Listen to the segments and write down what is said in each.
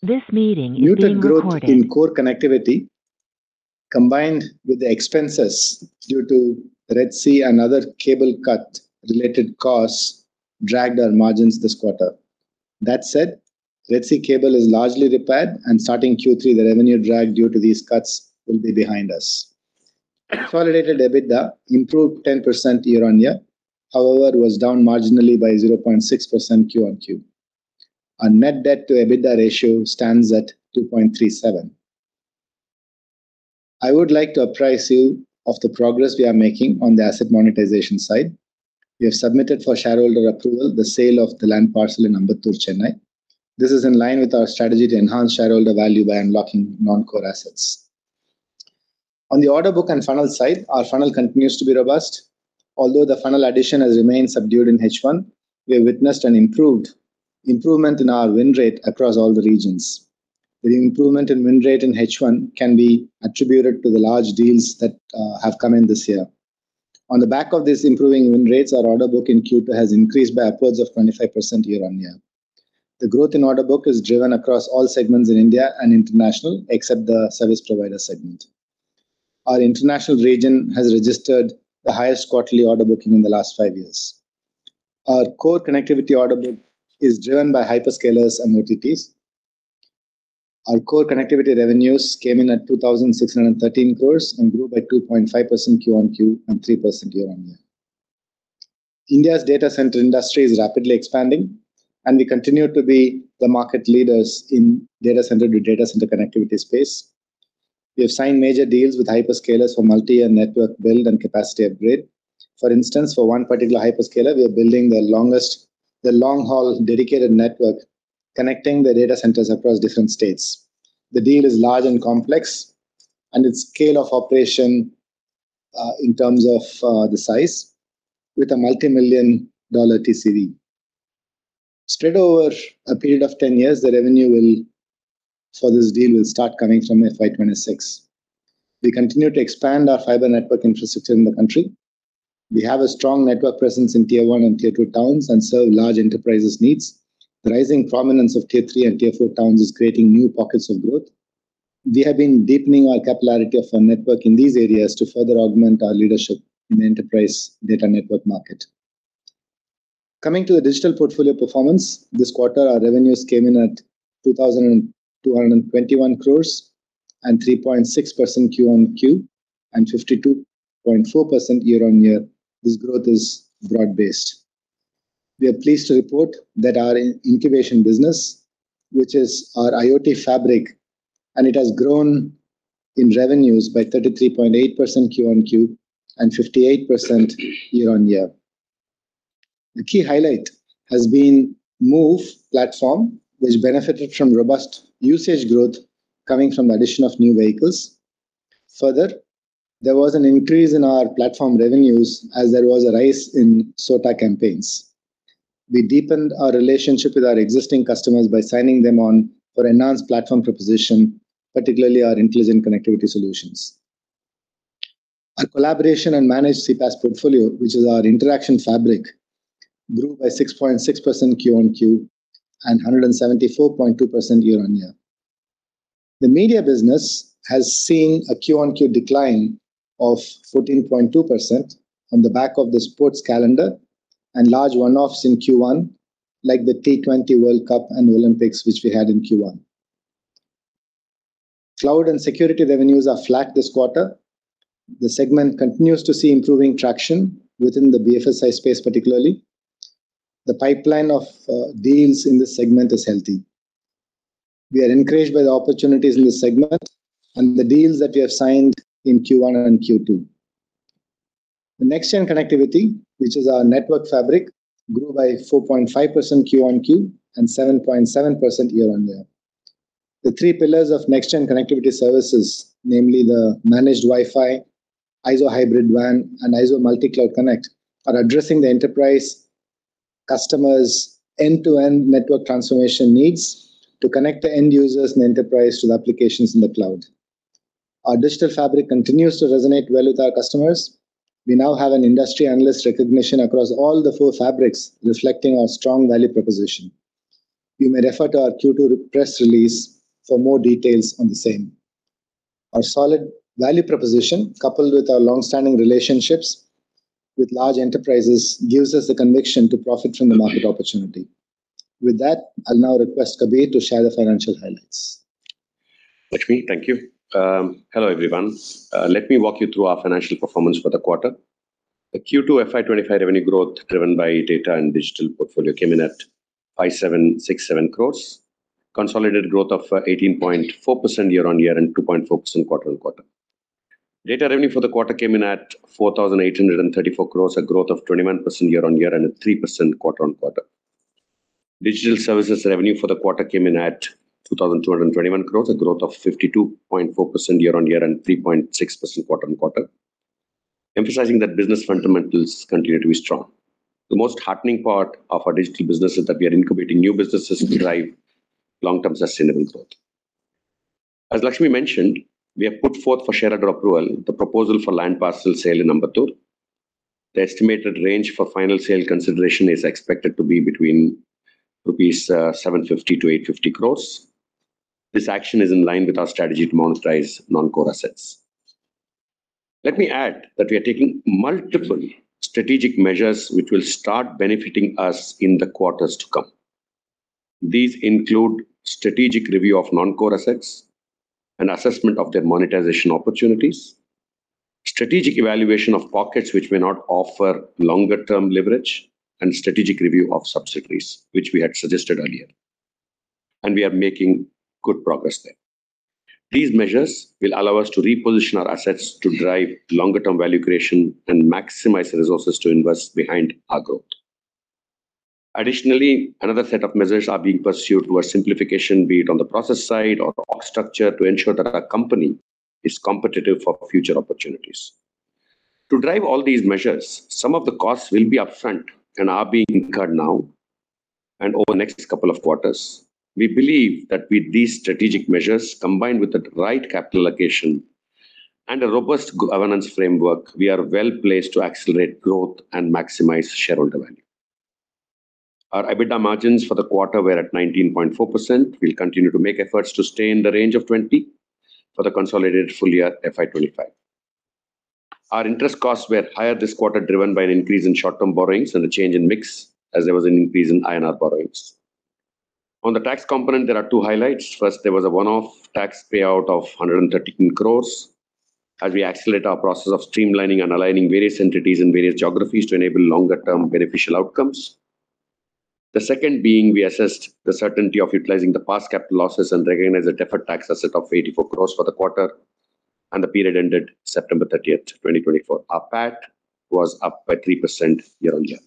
This meeting is being recorded. muted growth in core connectivity, combined with the expenses due to Red Sea and other cable cut-related costs, dragged our margins this quarter. That said, Red Sea cable is largely repaired, and starting Q3, the revenue drag due to these cuts will be behind us. Consolidated EBITDA improved 10% year-on-year, however, was down marginally by 0.6% Q-on-Q. Our net debt to EBITDA ratio stands at 2.37. I would like to apprise you of the progress we are making on the asset monetization side. We have submitted for shareholder approval the sale of the land parcel in Ambattur, Chennai. This is in line with our strategy to enhance shareholder value by unlocking non-core assets. On the order book and funnel side, our funnel continues to be robust. Although the funnel addition has remained subdued in H1, we have witnessed an improved improvement in our win rate across all the regions. The improvement in win rate in H1 can be attributed to the large deals that have come in this year. On the back of these improving win rates, our order book in Q2 has increased by upwards of 25% year-on-year. The growth in order book is driven across all segments in India and international, except the service provider segment. Our international region has registered the highest quarterly order booking in the last five years. Our core connectivity order book is driven by hyperscalers and OTTs. Our core connectivity revenues came in at 2,613 crores and grew by 2.5% Q-on-Q and 3% year-on-year. India's data center industry is rapidly expanding, and we continue to be the market leaders in data center to data center connectivity space. We have signed major deals with hyperscalers for multi-year network build and capacity upgrade. For instance, for one particular hyperscaler, we are building the long-haul dedicated network, connecting the data centers across different states. The deal is large and complex, and its scale of operation, in terms of, the size, with a multimillion-dollar TCV. Spread over a period of ten years, the revenue for this deal will start coming from FY 2026. We continue to expand our fiber network infrastructure in the country. We have a strong network presence in Tier One and Tier Two towns and serve large enterprises' needs. The rising prominence of Tier Three and Tier Four towns is creating new pockets of growth. We have been deepening our capillarity of our network in these areas to further augment our leadership in the enterprise data network market. Coming to the digital portfolio performance, this quarter, our revenues came in at 2,221 crores and 3.6% Q-on-Q and 52.4% year-on-year. This growth is broad-based. We are pleased to report that our in-incubation business, which is our IoT fabric, and it has grown in revenues by 33.8% Q-on-Q and 58% year-on-year. The key highlight has been Move platform, which benefited from robust usage growth coming from the addition of new vehicles. Further, there was an increase in our platform revenues as there was a rise in SOTA campaigns. We deepened our relationship with our existing customers by signing them on for enhanced platform proposition, particularly our intelligent connectivity solutions. Our collaboration and managed CPaaS portfolio, which is our Interaction Fabric, grew by 6.6% Q-on-Q and 174.2% year-on-year. The media business has seen a Q-on-Q decline of 14.2% on the back of the sports calendar and large one-offs in Q1, like the T20 World Cup and the Olympics, which we had in Q1. Cloud and security revenues are flat this quarter. The segment continues to see improving traction within the BFSI space, particularly. The pipeline of deals in this segment is healthy. We are encouraged by the opportunities in this segment and the deals that we have signed in Q1 and Q2. The next-gen connectivity, which is our Network Fabric, grew by 4.5% Q-on-Q and 7.7% year-on-year. The three pillars of next-gen connectivity services, namely the Managed Wi-Fi, IZO Hybrid WAN, and IZO Multi-Cloud Connect, are addressing the enterprise customers' end-to-end network transformation needs to connect the end users and enterprise to the applications in the cloud. Our Digital Fabric continues to resonate well with our customers. We now have an industry analyst recognition across all the four fabrics, reflecting our strong value proposition. You may refer to our Q2 press release for more details on the same. Our solid value proposition, coupled with our long-standing relationships with large enterprises, gives us the conviction to profit from the market opportunity. With that, I'll now request Kabir to share the financial highlights. Lakshmi, thank you. Hello, everyone. Let me walk you through our financial performance for the quarter. The Q2 FY 2025 revenue growth, driven by data and digital portfolio, came in at 5,767 crores, consolidated growth of 18.4% year-on-year, and 2.4% quarter-on-quarter. Data revenue for the quarter came in at 4,834 crores, a growth of 21% year-on-year, and at 3% quarter-on-quarter. Digital services revenue for the quarter came in at 2,221 crores, a growth of 52.4% year-on-year and 3.6% quarter-on-quarter, emphasizing that business fundamentals continue to be strong. The most heartening part of our digital business is that we are incubating new businesses to drive long-term sustainable growth.... As Lakshmi mentioned, we have put forth for shareholder approval the proposal for land parcel sale in Ambattur. The estimated range for final sale consideration is expected to be between rupees 750-850 crores. This action is in line with our strategy to monetize non-core assets. Let me add that we are taking multiple strategic measures which will start benefiting us in the quarters to come. These include strategic review of non-core assets and assessment of their monetization opportunities, strategic evaluation of pockets which may not offer longer-term leverage, and strategic review of subsidiaries, which we had suggested earlier, and we are making good progress there. These measures will allow us to reposition our assets to drive longer-term value creation and maximize the resources to invest behind our growth. Additionally, another set of measures are being pursued towards simplification, be it on the process side or org structure, to ensure that our company is competitive for future opportunities. To drive all these measures, some of the costs will be upfront and are being incurred now and over the next couple of quarters. We believe that with these strategic measures, combined with the right capital allocation and a robust governance framework, we are well-placed to accelerate growth and maximize shareholder value. Our EBITDA margins for the quarter were at 19.4%. We'll continue to make efforts to stay in the range of 20% for the consolidated full year FY 2025. Our interest costs were higher this quarter, driven by an increase in short-term borrowings and a change in mix, as there was an increase in INR borrowings. On the tax component, there are two highlights. First, there was a one-off tax payout of 113 crores as we accelerate our process of streamlining and aligning various entities in various geographies to enable longer-term beneficial outcomes. The second being, we assessed the certainty of utilizing the past capital losses and recognize a deferred tax asset of 84 crores for the quarter and the period ended September thirtieth, 2024. Our PAT was up by 3% year on year.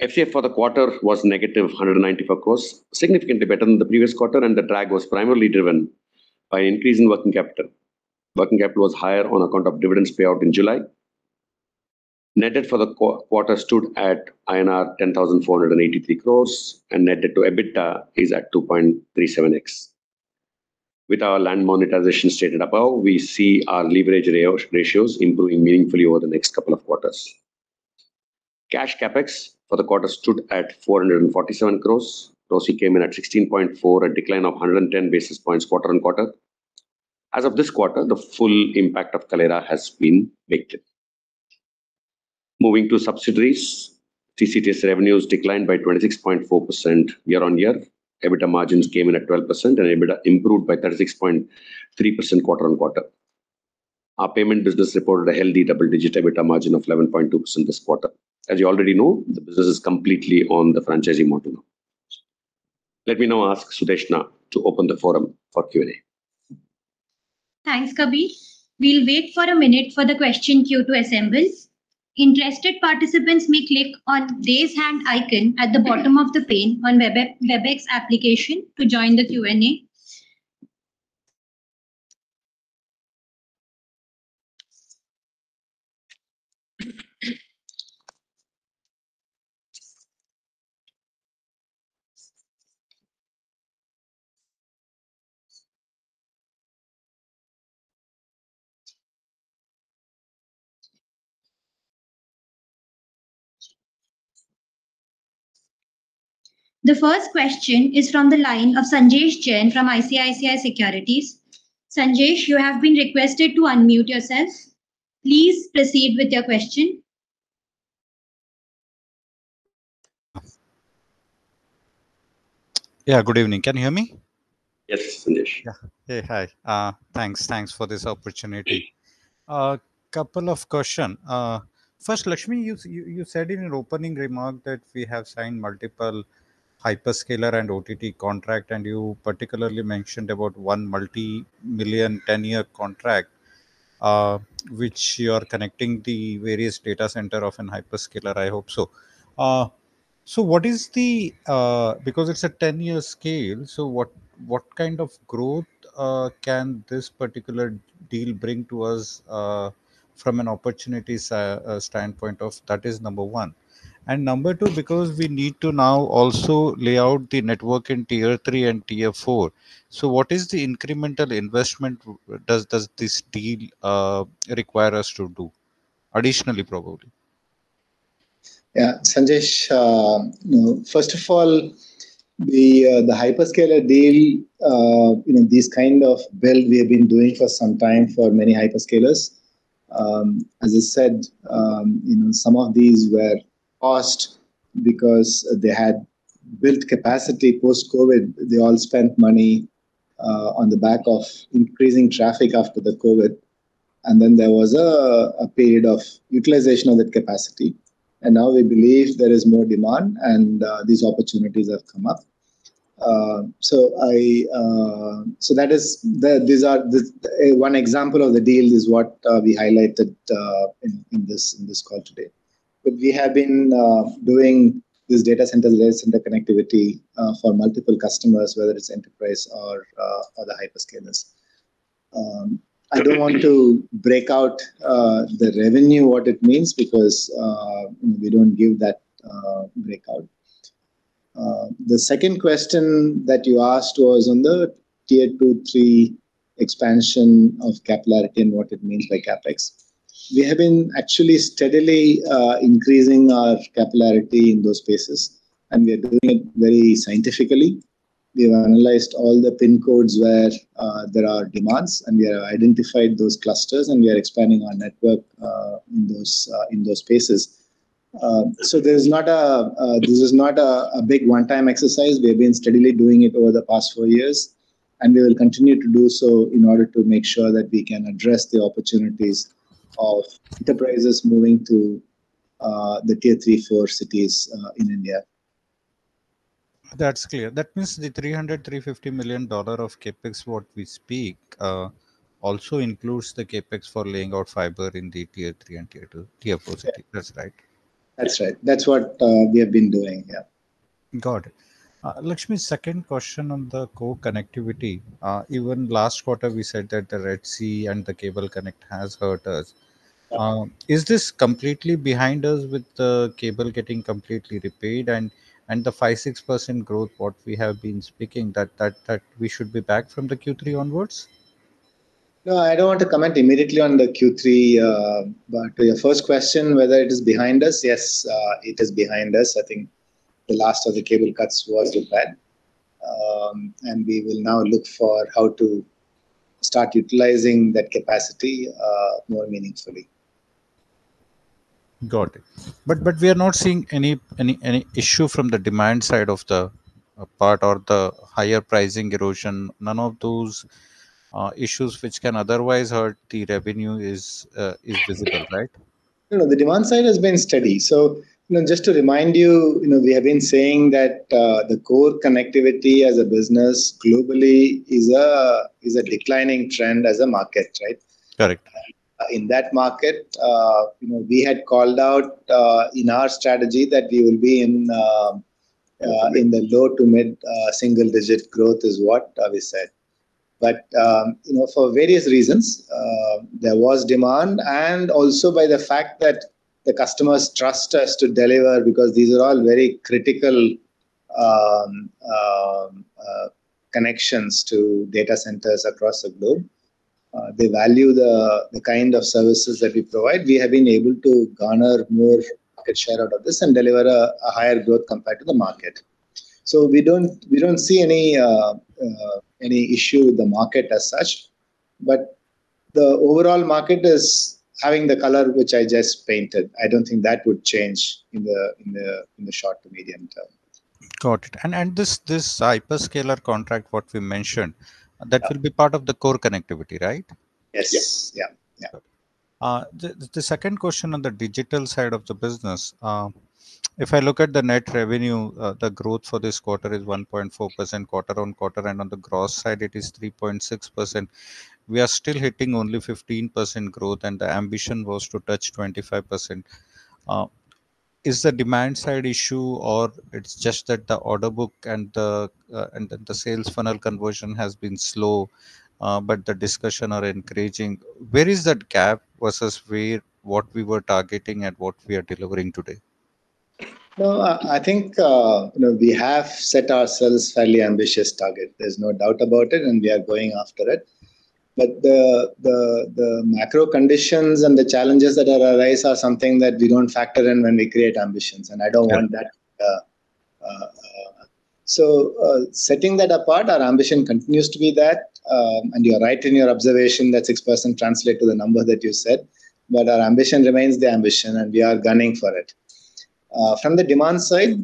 FCF for the quarter was negative 194 crores, significantly better than the previous quarter, and the drag was primarily driven by increase in working capital. Working capital was higher on account of dividends payout in July. Net debt for the quarter stood at INR 10,483 crores, and net debt to EBITDA is at 2.37x. With our land monetization stated above, we see our leverage ratio, ratios improving meaningfully over the next couple of quarters. Cash CapEx for the quarter stood at 447 crore. ROCE came in at 16.4, a decline of 110 basis points quarter on quarter. As of this quarter, the full impact of Kaleyra has been baked in. Moving to subsidiaries, TCTS revenues declined by 26.4% year on year. EBITDA margins came in at 12%, and EBITDA improved by 36.3% quarter on quarter. Our payment business reported a healthy double-digit EBITDA margin of 11.2% this quarter. As you already know, the business is completely on the franchising model now. Let me now ask Sudeshna to open the forum for Q&A. Thanks, Kabir. We'll wait for a minute for the question queue to assemble. Interested participants may click on Raise Hand icon at the bottom of the pane on Webex, Webex application to join the Q&A. The first question is from the line of Sanjay Jain from ICICI Securities. Sanjay, you have been requested to unmute yourself. Please proceed with your question. Yeah. Good evening. Can you hear me? Yes, Sanjay. Yeah. Hey, hi. Thanks, thanks for this opportunity. Couple of question. First, Lakshmi, you said in your opening remark that we have signed multiple hyperscaler and OTT contract, and you particularly mentioned about one multi-million, ten-year contract, which you are connecting the various data center of a hyperscaler, I hope so. So what is the? Because it's a ten-year scale, so what kind of growth can this particular deal bring to us from an opportunity standpoint? That is number one. And number two, because we need to now also lay out the network in tier three and tier four, so what is the incremental investment does this deal require us to do additionally, probably? Yeah, Sanjay, you know, first of all, the hyperscaler deal, you know, this kind of build we have been doing for some time for many hyperscalers. As I said, you know, some of these were paused because they had built capacity post-COVID. They all spent money on the back of increasing traffic after the COVID, and then there was a period of utilization of that capacity, and now we believe there is more demand, and these opportunities have come up. So these are the one example of the deals is what we highlighted in this call today. But we have been doing this data center layer and the connectivity for multiple customers, whether it's enterprise or the hyperscalers. I don't want to break out the revenue, what it means, because we don't give that breakout. The second question that you asked was on the tier two, three expansion of capillarity, and what it means by CapEx. We have been actually steadily increasing our capillarity in those spaces, and we are doing it very scientifically. We have analyzed all the pin codes where there are demands, and we have identified those clusters, and we are expanding our network in those spaces. So this is not a big one-time exercise. We have been steadily doing it over the past four years, and we will continue to do so in order to make sure that we can address the opportunities of enterprises moving to the tier three, four cities in India. That's clear. That means the $350 million of CapEx what we speak also includes the CapEx for laying out fiber in the tier three and tier two - tier four cities. That's right? That's right. That's what we have been doing. Yeah. Got it. Lakshmi, second question on the core connectivity. Even last quarter, we said that the Red Sea and the cable cuts has hurt us. Is this completely behind us with the cable getting completely repaired and the 5-6% growth, what we have been speaking, that we should be back from the Q3 onwards? No, I don't want to comment immediately on the Q3. But your first question, whether it is behind us, yes, it is behind us. I think the last of the cable cuts was with that. And we will now look for how to start utilizing that capacity more meaningfully. Got it. But we are not seeing any issue from the demand side of the part or the higher pricing erosion. None of those issues which can otherwise hurt the revenue is visible, right? No, the demand side has been steady, so you know, just to remind you, you know, we have been saying that, the core connectivity as a business globally is a declining trend as a market, right? Correct. In that market, you know, we had called out in our strategy that we will be in the low to mid single-digit growth, is what we said. But, you know, for various reasons, there was demand, and also by the fact that the customers trust us to deliver because these are all very critical connections to data centers across the globe. They value the kind of services that we provide. We have been able to garner more market share out of this and deliver a higher growth compared to the market. So we don't see any issue with the market as such, but the overall market is having the color, which I just painted. I don't think that would change in the short to medium term. Got it. And this hyperscaler contract, what we mentioned. That will be part of the core connectivity, right? Yes. Yeah, yeah. The second question on the digital side of the business, if I look at the net revenue, the growth for this quarter is 1.4% quarter on quarter, and on the gross side, it is 3.6%. We are still hitting only 15% growth, and the ambition was to touch 25%. Is the demand side issue, or it's just that the order book and the sales funnel conversion has been slow, but the discussion are encouraging? Where is that gap versus where what we were targeting and what we are delivering today? I think, you know, we have set ourselves fairly ambitious target. There's no doubt about it, and we are going after it. But the macro conditions and the challenges that arise are something that we don't factor in when we create ambitions, and I don't want that. So, setting that apart, our ambition continues to be that, and you are right in your observation, that 6% translate to the number that you said, but our ambition remains the ambition, and we are gunning for it. From the demand side,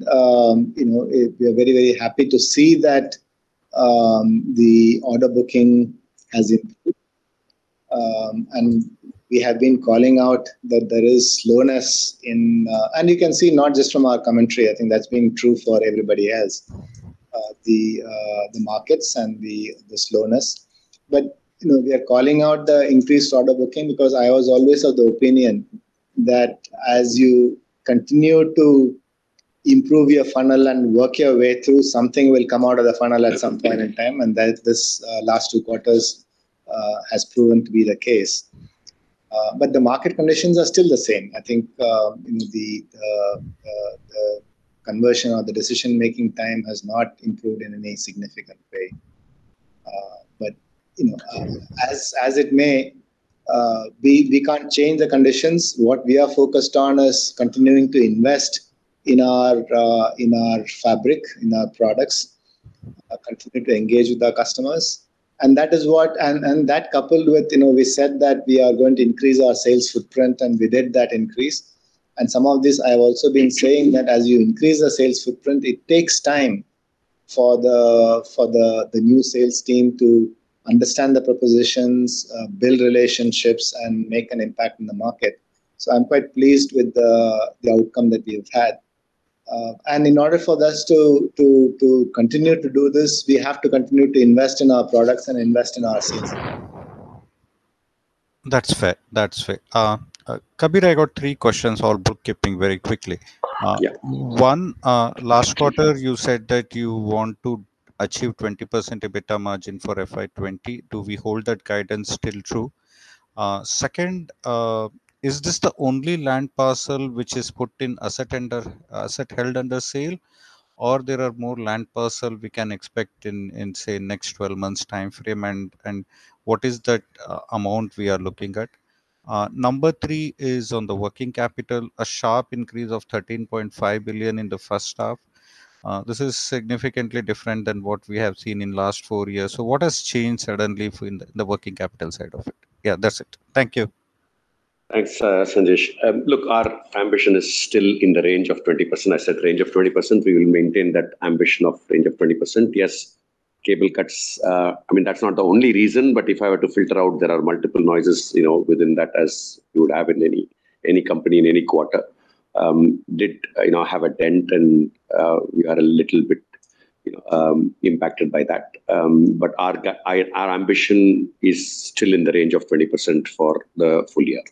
you know, we are very, very happy to see that the order booking has improved, and we have been calling out that there is slowness in... and you can see, not just from our commentary, I think that's been true for everybody else, the markets and the slowness, but you know, we are calling out the increased order booking because I was always of the opinion that as you continue to improve your funnel and work your way through, something will come out of the funnel at some point in time and that this last two quarters has proven to be the case. But the market conditions are still the same. I think you know the conversion or the decision-making time has not improved in any significant way. But you know as it may, we can't change the conditions. What we are focused on is continuing to invest in our fabric, in our products, continuing to engage with our customers, and that is what and that coupled with, you know, we said that we are going to increase our sales footprint, and we did that increase, and some of this, I've also been saying that as you increase the sales footprint, it takes time for the new sales team to understand the propositions, build relationships, and make an impact in the market, so I'm quite pleased with the outcome that we've had, and in order for us to continue to do this, we have to continue to invest in our products and invest in our sales team. That's fair. That's fair. Kabir, I got three questions on bookkeeping very quickly. Yeah. One, last quarter you said that you want to achieve 20% EBITDA margin for FY 25. Do we hold that guidance still true? Second, is this the only land parcel which is put in asset held for sale, or there are more land parcel we can expect in, say, next 12 months time frame, and what is that amount we are looking at? Number three is on the working capital. A sharp increase of 13.5 billion in the first half. This is significantly different than what we have seen in last 4 years. So what has changed suddenly from the working capital side of it? Yeah, that's it. Thank you. Thanks, Sanjesh. Look, our ambition is still in the range of 20%. I said range of 20%, we will maintain that ambition of range of 20%. Yes, cable cuts. I mean, that's not the only reason, but if I were to filter out, there are multiple noises, you know, within that, as you would have in any company in any quarter. It did, you know, have a dent, and we are a little bit, you know, impacted by that. But our ambition is still in the range of 20% for the full year.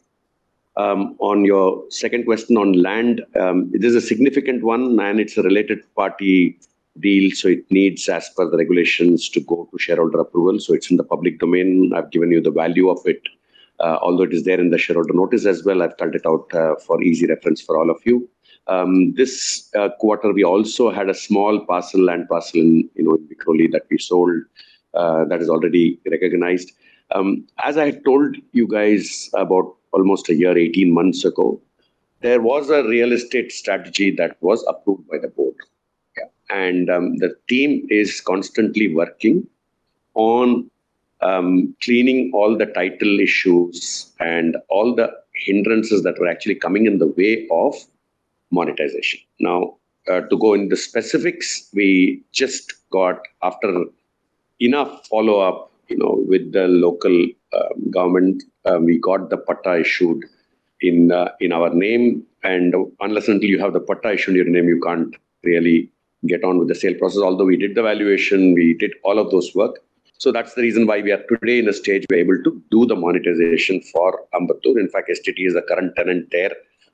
On your second question on land, it is a significant one, and it's a related party deal, so it needs, as per the regulations, to go to shareholder approval, so it's in the public domain. I've given you the value of it. Although it is there in the shareholder notice as well, I've cut it out for easy reference for all of you. This quarter, we also had a small parcel, land parcel, you know, in Vikhroli that we sold, that is already recognized. As I told you guys about almost a year, eighteen months ago, there was a real estate strategy that was approved by the board. And the team is constantly working on cleaning all the title issues and all the hindrances that were actually coming in the way of monetization. Now, to go into specifics, we just got, after enough follow-up, you know, with the local government, we got the patta issued in, in our name, and unless, until you have the patta issued in your name, you can't really get on with the sale process. Although we did the valuation, we did all of those work. So that's the reason why we are today in a stage we're able to do the monetization for Ambattur. In fact, STT is a current tenant there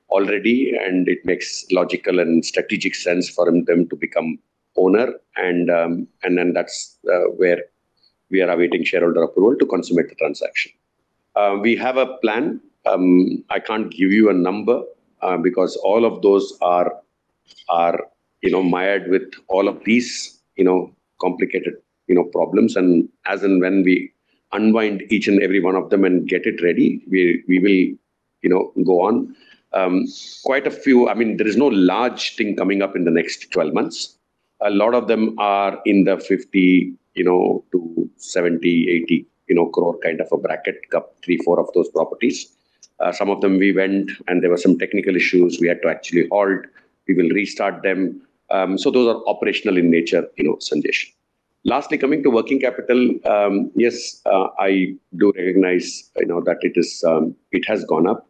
already, and it makes logical and strategic sense for them to become owner, and, and then that's where we are awaiting shareholder approval to consummate the transaction. We have a plan. I can't give you a number, because all of those are, you know, mired with all of these, you know, complicated, you know, problems, and as and when we unwind each and every one of them and get it ready, we will, you know, go on. Quite a few. I mean, there is no large thing coming up in the next 12 months. A lot of them are in the 50 to 70-80 crore kind of a bracket, couple three, four of those properties. Some of them we went and there were some technical issues we had to actually halt. We will restart them. So those are operational in nature, you know, Sanjesh. Lastly, coming to working capital, yes, I do recognize, you know, that it is, it has gone up.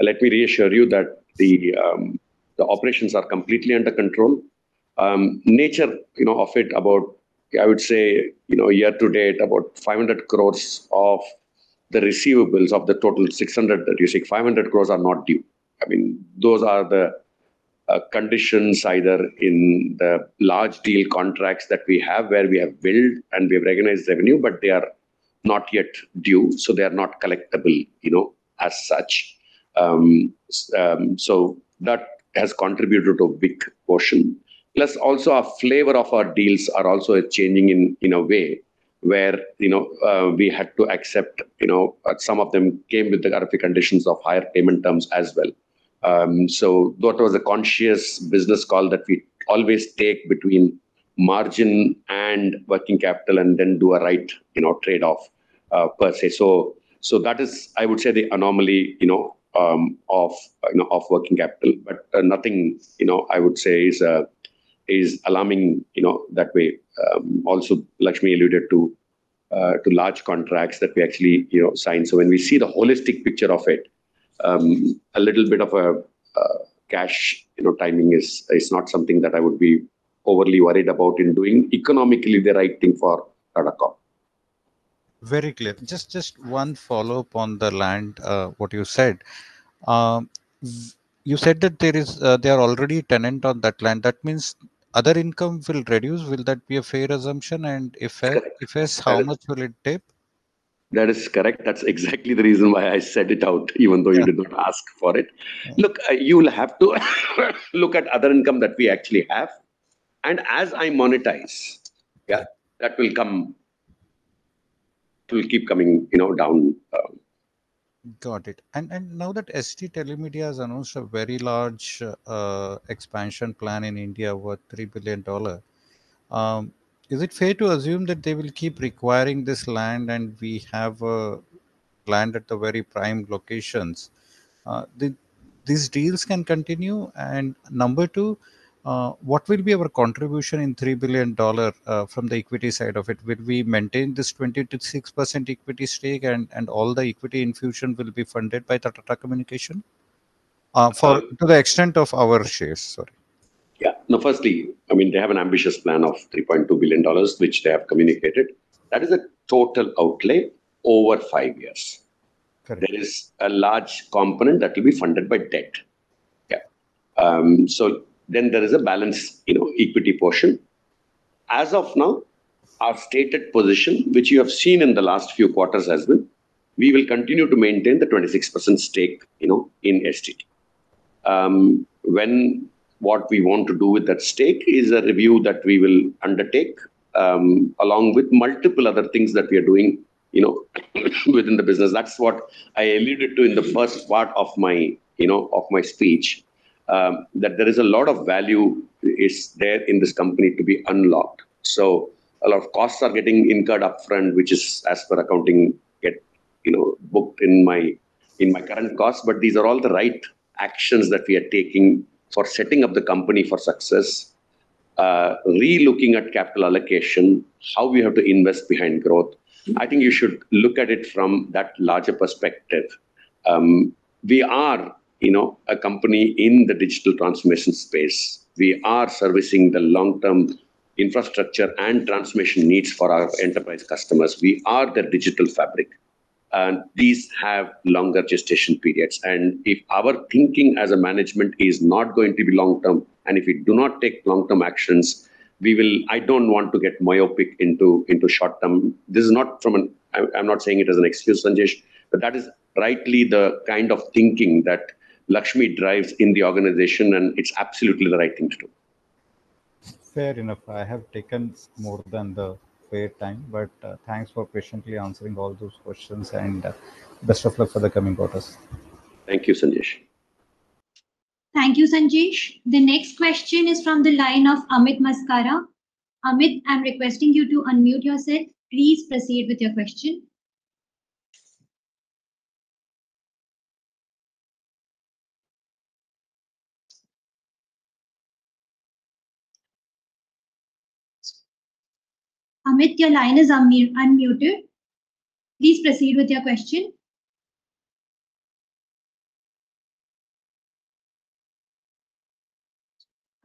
Let me reassure you that the operations are completely under control. Nature, you know, of it, about, I would say, you know, year to date, about 500 crores of the receivables of the total 600 that you seek, 500 crores are not due. I mean, those are the conditions either in the large deal contracts that we have, where we have billed and we have recognized revenue, but they are not yet due, so they are not collectible, you know, as such. So that has contributed to a big portion. Plus, also, our flavor of our deals are also changing in a way where, you know, we had to accept, you know, some of them came with the conditions of higher payment terms as well. So that was a conscious business call that we always take between margin and working capital, and then do a right, you know, trade-off, per se. So that is, I would say, the anomaly, you know, of working capital, but nothing, you know, I would say is alarming, you know, that way. Also, Lakshmi alluded to large contracts that we actually, you know, signed. So when we see the holistic picture of it, a little bit of a cash, you know, timing is not something that I would be overly worried about in doing economically the right thing for Tata Co. Very clear. Just one follow-up on the land, what you said. You said that there are already tenants on that land. That means other income will reduce. Will that be a fair assumption? And if yes, how much will it take? That is correct. That's exactly the reason why I said it out, even though you did not ask for it. Look, you will have to look at other income that we actually have, and as I monetize, yeah, that will come, will keep coming, you know, down. Got it. And now that ST Telemedia has announced a very large expansion plan in India worth $3 billion, is it fair to assume that they will keep requiring this land and we have land at the very prime locations? These deals can continue, and number two, what will be our contribution in $3 billion from the equity side of it? Will we maintain this 26% equity stake, and all the equity infusion will be funded by the Tata Communications? to the extent of our shares. Sorry. Yeah. No, firstly, I mean, they have an ambitious plan of $3.2 billion, which they have communicated. That is a total outlay over five years. Correct. There is a large component that will be funded by debt. Yeah, so then there is a balance, you know, equity portion. As of now, our stated position, which you have seen in the last few quarters as well, we will continue to maintain the 26% stake, you know, in STT. What we want to do with that stake is a review that we will undertake, along with multiple other things that we are doing, you know, within the business. That's what I alluded to in the first part of my, you know, of my speech. That there is a lot of value there in this company to be unlocked. So a lot of costs are getting incurred upfront, which is as per accounting, get, you know, booked in my, in my current costs. But these are all the right actions that we are taking for setting up the company for success. Relooking at capital allocation, how we have to invest behind growth, I think you should look at it from that larger perspective. We are, you know, a company in the digital transmission space. We are servicing the long-term infrastructure and transmission needs for our enterprise customers. We are their Digital Fabric, and these have longer gestation periods. And if our thinking as a management is not going to be long term, and if we do not take long-term actions, we will. I don't want to get myopic into short term. This is not from an... I, I'm not saying it as an excuse, Sanjay, but that is rightly the kind of thinking that Lakshmi drives in the organization, and it's absolutely the right thing to do. Fair enough. I have taken more than the fair time, but, thanks for patiently answering all those questions and, best of luck for the coming quarters. Thank you, Sanjay. Thank you, Sanjesh. The next question is from the line of Amit Maskara. Amit, I'm requesting you to unmute yourself. Please proceed with your question. Amit, your line is unmuted. Please proceed with your question.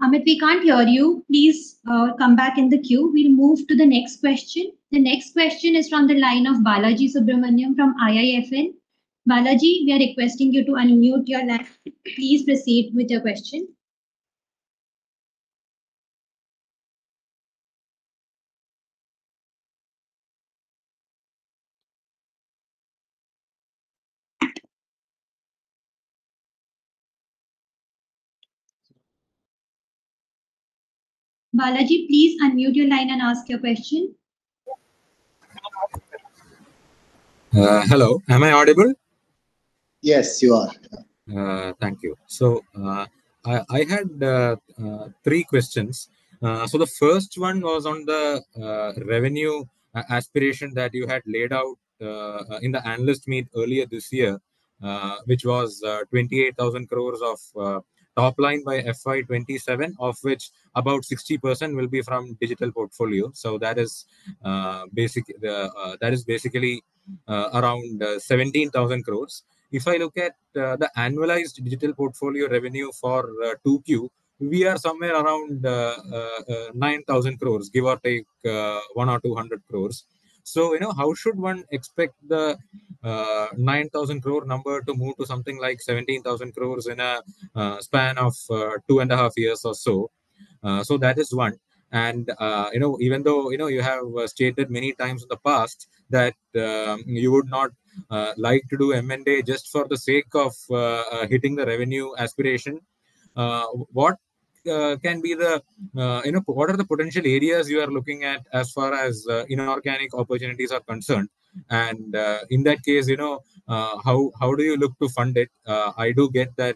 Amit, we can't hear you. Please, come back in the queue. We'll move to the next question. The next question is from the line of Balaji Subramaniam from IIFL. Balaji, we are requesting you to unmute your line. Please proceed with your question. Balaji, please unmute your line and ask your question. Hello, am I audible? Yes, you are. Thank you. I had three questions. So the first one was on the revenue aspiration that you had laid out in the analyst meet earlier this year, which was 28,000 crores of top line by FY 2027, of which about 60% will be from digital portfolio. That is basically around 17,000 crores. If I look at the annualized digital portfolio revenue for 2Q, we are somewhere around 9,000 crores, give or take 100 or 200 crores. You know, how should one expect the 9,000 crore number to move to something like 17,000 crores in a span of two and a half years or so? That is one. You know, even though you know you have stated many times in the past that you would not like to do M&A just for the sake of hitting the revenue aspiration, what are the potential areas you are looking at as far as you know organic opportunities are concerned? In that case, you know, how do you look to fund it? I do get that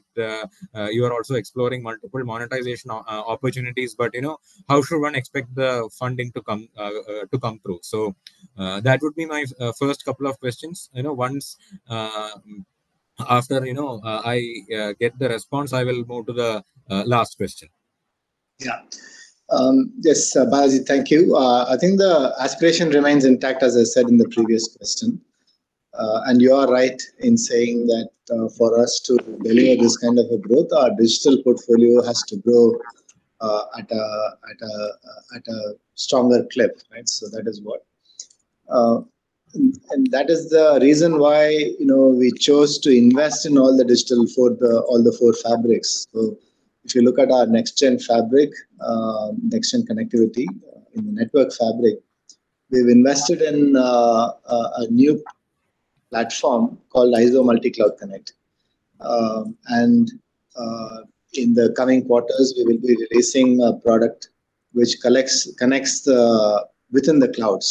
you are also exploring multiple monetization opportunities, but you know, how should one expect the funding to come through? That would be my first couple of questions. You know, once after you know I get the response, I will move to the last question. Yeah. Yes, Balaji, thank you. I think the aspiration remains intact, as I said in the previous question. And you are right in saying that, for us to deliver this kind of a growth, our digital portfolio has to grow at a stronger clip, right? So that is what. And that is the reason why, you know, we chose to invest in all the digital four, the all the four fabrics. So if you look at our nextGen fabric, nextGen connectivity in the Network Fabric, we've invested in a new platform called IZO Multi-Cloud Connect. And, in the coming quarters, we will be releasing a product which connects the within the cloud.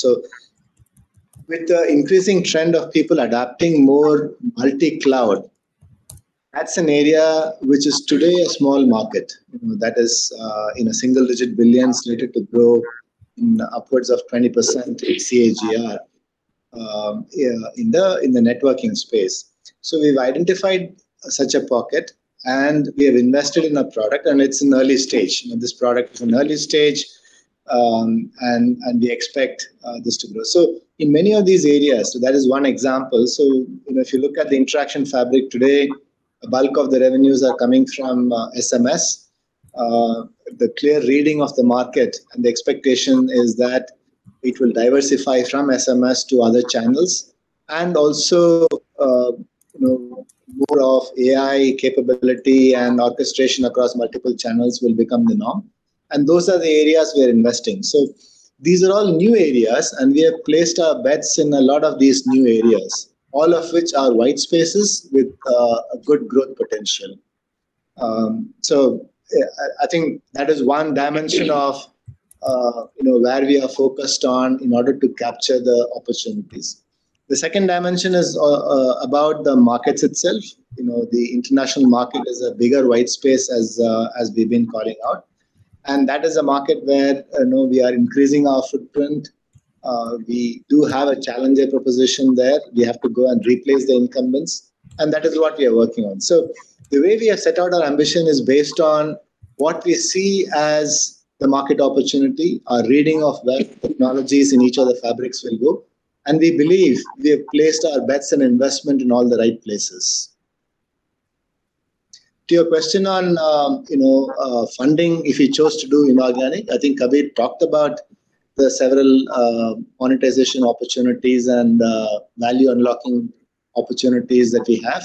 With the increasing trend of people adapting more multi-cloud, that's an area which is today a small market, you know, that is, in a single-digit billions slated to grow in upwards of 20% CAGR, in the networking space. We've identified such a pocket, and we have invested in a product, and it's in early stage. This product is in early stage. and we expect this to grow. So in many of these areas, that is one example. So, you know, if you look at the Interaction Fabric today, the bulk of the revenues are coming from SMS. The clear reading of the market and the expectation is that it will diversify from SMS to other channels, and also, you know, more of AI capability and orchestration across multiple channels will become the norm, and those are the areas we are investing. So these are all new areas, and we have placed our bets in a lot of these new areas, all of which are white spaces with a good growth potential. So, I think that is one dimension of, you know, where we are focused on in order to capture the opportunities. The second dimension is about the markets itself. You know, the international market is a bigger white space as we've been calling out, and that is a market where, you know, we are increasing our footprint. We do have a challenging proposition there. We have to go and replace the incumbents, and that is what we are working on. So the way we have set out our ambition is based on what we see as the market opportunity, our reading of the technologies in each of the fabrics will go, and we believe we have placed our bets and investment in all the right places. To your question on, you know, funding, if we chose to do inorganic, I think Kabir talked about the several, monetization opportunities and, value unlocking opportunities that we have.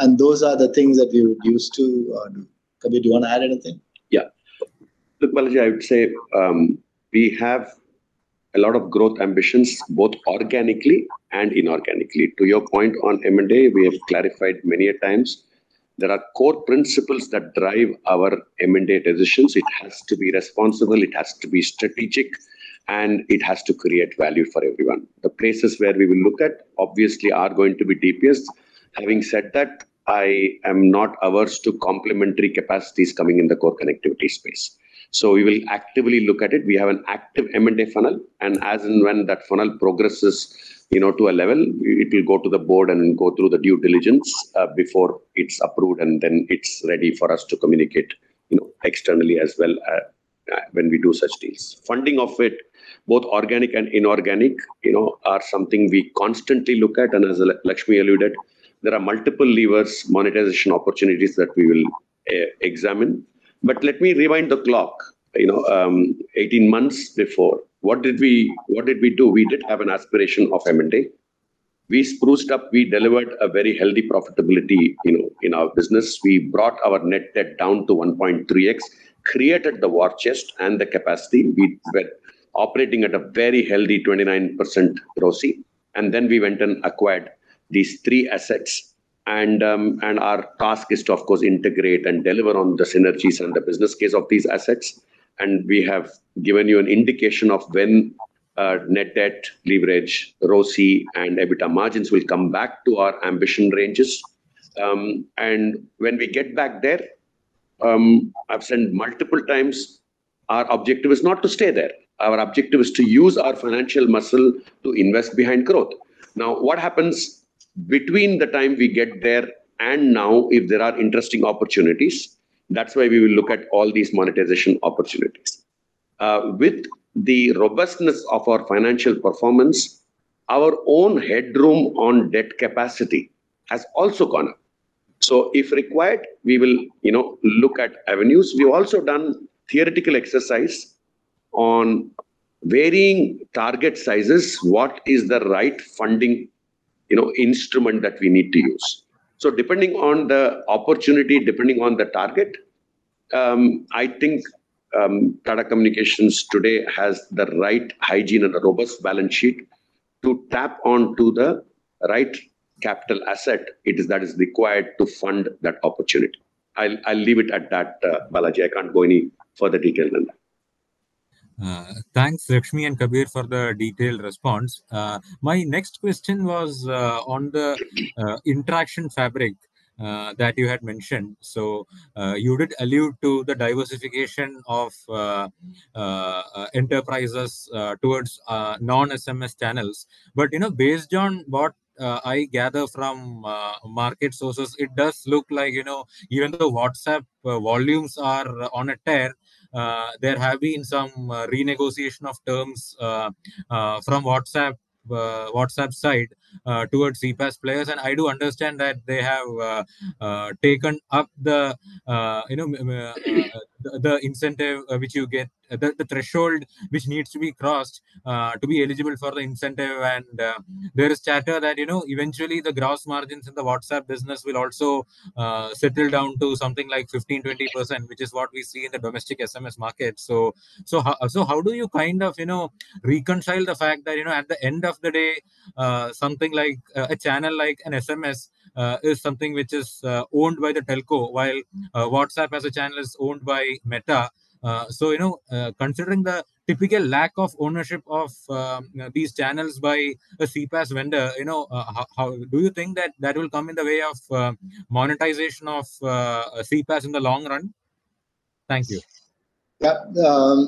And those are the things that we would use to do. Kabir, do you wanna add anything? Yeah. Look, Balaji, I would say, we have a lot of growth ambitions, both organically and inorganically. To your point on M&A, we have clarified many a times, there are core principles that drive our M&A decisions. It has to be responsible, it has to be strategic, and it has to create value for everyone. The places where we will look at, obviously, are going to be DPS. Having said that, I am not averse to complementary capacities coming in the core connectivity space. So we will actively look at it. We have an active M&A funnel, and as and when that funnel progresses, you know, to a level, it will go to the board and go through the due diligence, before it's approved, and then it's ready for us to communicate, you know, externally as well, when we do such deals. Funding of it, both organic and inorganic, you know, are something we constantly look at, and as Lakshmi alluded, there are multiple levers, monetization opportunities that we will examine. But let me rewind the clock. You know, 18 months before, what did we, what did we do? We did have an aspiration of M&A. We spruced up. We delivered a very healthy profitability, you know, in our business. We brought our net debt down to 1.3x, created the war chest and the capacity. We were operating at a very healthy 29% ROCE, and then we went and acquired these three assets, and our task is to, of course, integrate and deliver on the synergies and the business case of these assets. And we have given you an indication of when, net debt, leverage, ROCE, and EBITDA margins will come back to our ambition ranges. And when we get back there, I've said multiple times, our objective is not to stay there. Our objective is to use our financial muscle to invest behind growth. Now, what happens between the time we get there and now, if there are interesting opportunities, that's why we will look at all these monetization opportunities. With the robustness of our financial performance, our own headroom on debt capacity has also gone up. So if required, we will, you know, look at avenues. We've also done theoretical exercise on varying target sizes, what is the right funding, you know, instrument that we need to use? So depending on the opportunity, depending on the target, I think, Tata Communications today has the right hygiene and a robust balance sheet to tap onto the right capital asset that is required to fund that opportunity. I'll leave it at that, Balaji. I can't go any further detail than that. Thanks, Lakshmi and Kabir, for the detailed response. My next question was on the Interaction Fabric that you had mentioned. So, you did allude to the diversification of enterprises towards non-SMS channels. But, you know, based on what I gather from market sources, it does look like, you know, even though WhatsApp volumes are on a tear, there have been some renegotiation of terms from WhatsApp side towards CPaaS players. And I do understand that they have taken up the, you know, the incentive which you get. The threshold which needs to be crossed to be eligible for the incentive. There is chatter that, you know, eventually the gross margins in the WhatsApp business will also settle down to something like 15%-20%, which is what we see in the domestic SMS market. So, how do you kind of, you know, reconcile the fact that, you know, at the end of the day, something like a channel like an SMS is something which is owned by the telco, while WhatsApp as a channel is owned by Meta? So, you know, considering the typical lack of ownership of these channels by a CPaaS vendor, you know, how... Do you think that that will come in the way of monetization of CPaaS in the long run? Thank you. Yeah,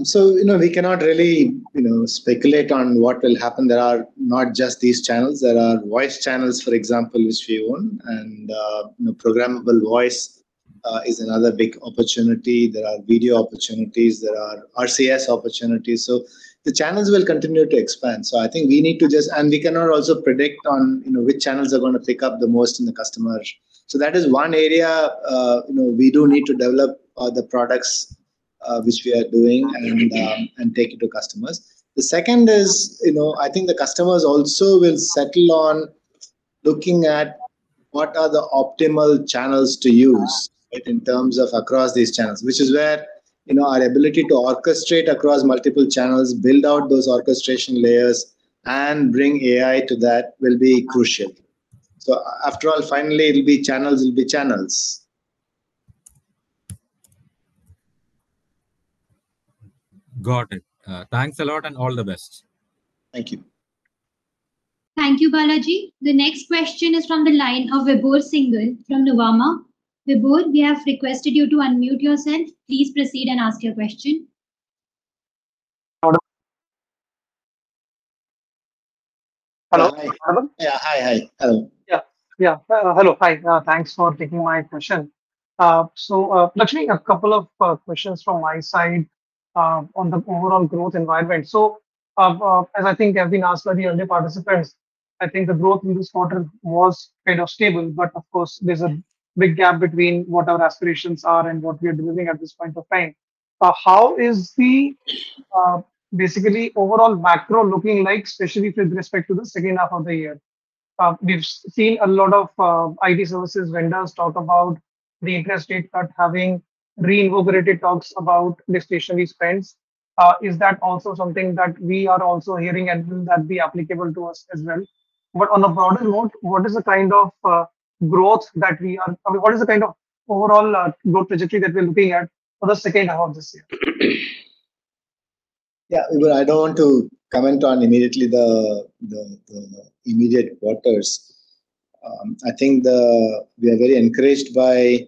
so, you know, we cannot really, you know, speculate on what will happen. There are not just these channels, there are voice channels, for example, which we own, and, you know, programmable voice is another big opportunity. There are video opportunities, there are RCS opportunities. So the channels will continue to expand. So I think we need to just. And we cannot also predict on, you know, which channels are gonna pick up the most in the customers. So that is one area, you know, we do need to develop the products, which we are doing and take it to customers. The second is, you know, I think the customers also will settle on looking at what are the optimal channels to use, right? In terms of across these channels. Which is where, you know, our ability to orchestrate across multiple channels, build out those orchestration layers, and bring AI to that will be crucial. So after all, finally, it'll be channels. Got it. Thanks a lot, and all the best. Thank you. Thank you, Balaji. The next question is from the line of Vibhor Singhal from Nuvama. Vibhor, we have requested you to unmute yourself. Please proceed and ask your question. Hello? Hello. Yeah. Hi, hi. Hello. Yeah, yeah. Hello. Hi, thanks for taking my question. So, actually a couple of questions from my side on the overall growth environment. As I think they have been asked by the earlier participants, I think the growth in this quarter was kind of stable, but of course, there's a big gap between what our aspirations are and what we are delivering at this point of time. How is the basically overall macro looking like, especially with respect to the second half of the year? We've seen a lot of IT services vendors talk about the interest rate cut having reinvigorated talks about discretionary spends. Is that also something that we are also hearing and will that be applicable to us as well? But on a broader note, what is the kind of growth that we are? I mean, what is the kind of overall growth trajectory that we're looking at for the second half of this year? Yeah, well, I don't want to comment on immediately the immediate quarters. I think we are very encouraged by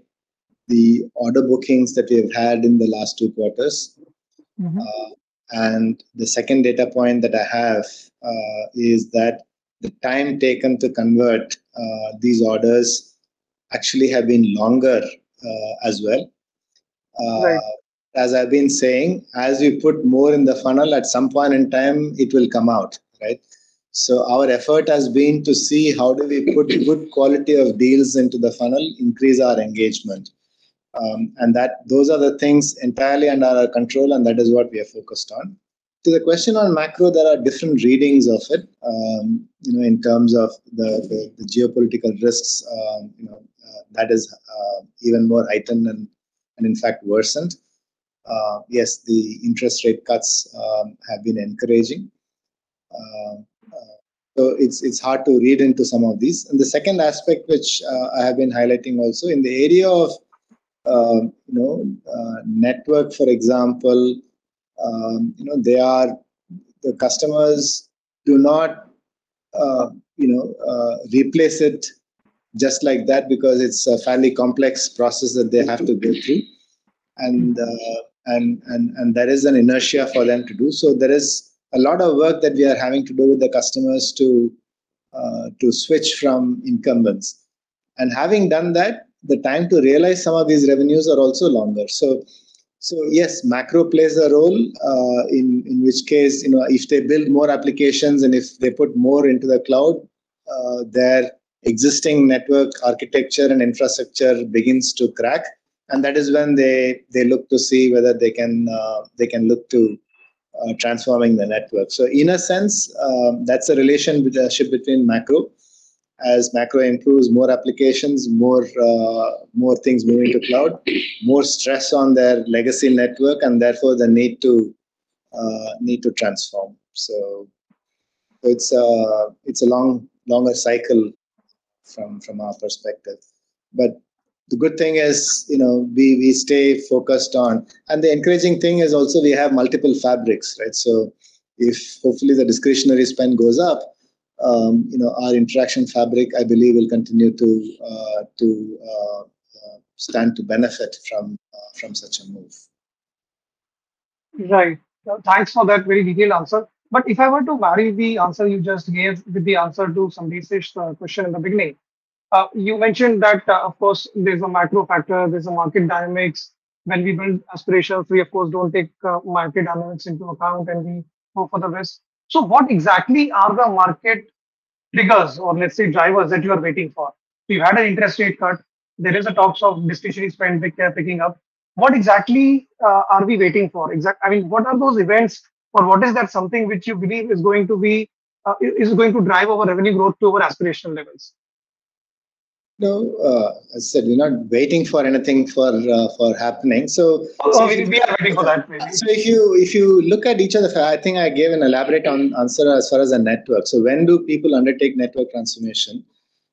the order bookings that we've had in the last two quarters. Mm-hmm. and the second data point that I have is that the time taken to convert these orders actually have been longer as well. Right. As I've been saying, as we put more in the funnel, at some point in time it will come out, right? So our effort has been to see how do we put good quality of deals into the funnel, increase our engagement. And those are the things entirely under our control, and that is what we are focused on. To the question on macro, there are different readings of it. You know, in terms of the geopolitical risks, you know, that is even more heightened and in fact worsened. Yes, the interest rate cuts have been encouraging. So it's hard to read into some of these. And the second aspect, which I have been highlighting also in the area of, you know, network for example, you know, they are the customers do not, you know, replace it just like that because it's a fairly complex process that they have to go through, and there is an inertia for them to do so. There is a lot of work that we are having to do with the customers to switch from incumbents, and having done that, the time to realize some of these revenues are also longer, so yes, macro plays a role in which case, you know, if they build more applications and if they put more into the cloud, their existing network architecture and infrastructure begins to crack, and that is when they look to see whether they can look to transforming the network, so in a sense, that's a relationship between macro. As macro improves, more applications, more things move into cloud, more stress on their legacy network, and therefore the need to transform. So it's a longer cycle from our perspective. But the good thing is, you know, we stay focused on. And the encouraging thing is also we have multiple fabrics, right? So if hopefully, the discretionary spend goes up, you know, our Interaction Fabric, I believe, will continue to stand to benefit from such a move. Right. Thanks for that very detailed answer. But if I were to vary the answer you just gave with the answer to Sanjesh's question in the beginning, you mentioned that, of course, there's a macro factor, there's a market dynamics. When we build aspirations, we of course, don't take, market dynamics into account, and we hope for the best. So what exactly are the market triggers or let's say, drivers that you are waiting for? So you've had an interest rate cut. There is a talks of discretionary spend which are picking up. What exactly, are we waiting for? I mean, what are those events, or what is that something which you believe is going to be, is going to drive our revenue growth to our aspirational levels? No, I said we're not waiting for anything for, for happening. So Oh, we are waiting for that, maybe. So if you look at each of the. I think I gave an elaborate answer as far as the network. So when do people undertake network transformation? Mm.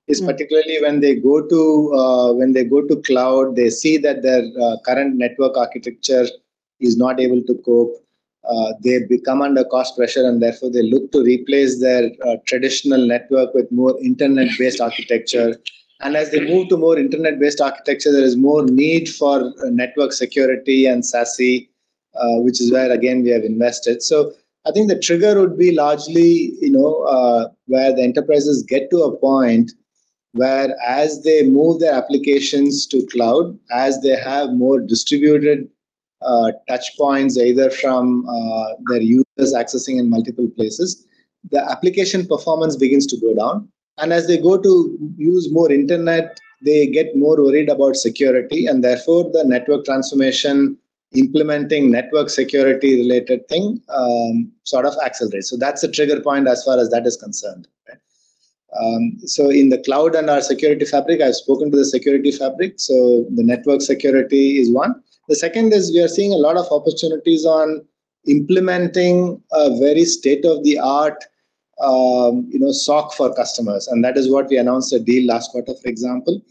It's particularly when they go to cloud, they see that their current network architecture is not able to cope. They become under cost pressure, and therefore they look to replace their traditional network with more internet-based architecture. And as they move to more internet-based architecture, there is more need for network security and SASE, which is where again, we have invested. So I think the trigger would be largely, you know, where the enterprises get to a point where as they move their applications to cloud, as they have more distributed touchpoints, either from their users accessing in multiple places, the application performance begins to go down. And as they go to use more internet, they get more worried about security, and therefore, the network transformation, implementing network security-related thing, sort of accelerates. So that's a trigger point as far as that is concerned, right? In the cloud and our security fabric, I've spoken to the security fabric, so the network security is one. The second is we are seeing a lot of opportunities on implementing a very state-of-the-art, you know, SOC for customers, and that is what we announced at the last quarter, for example.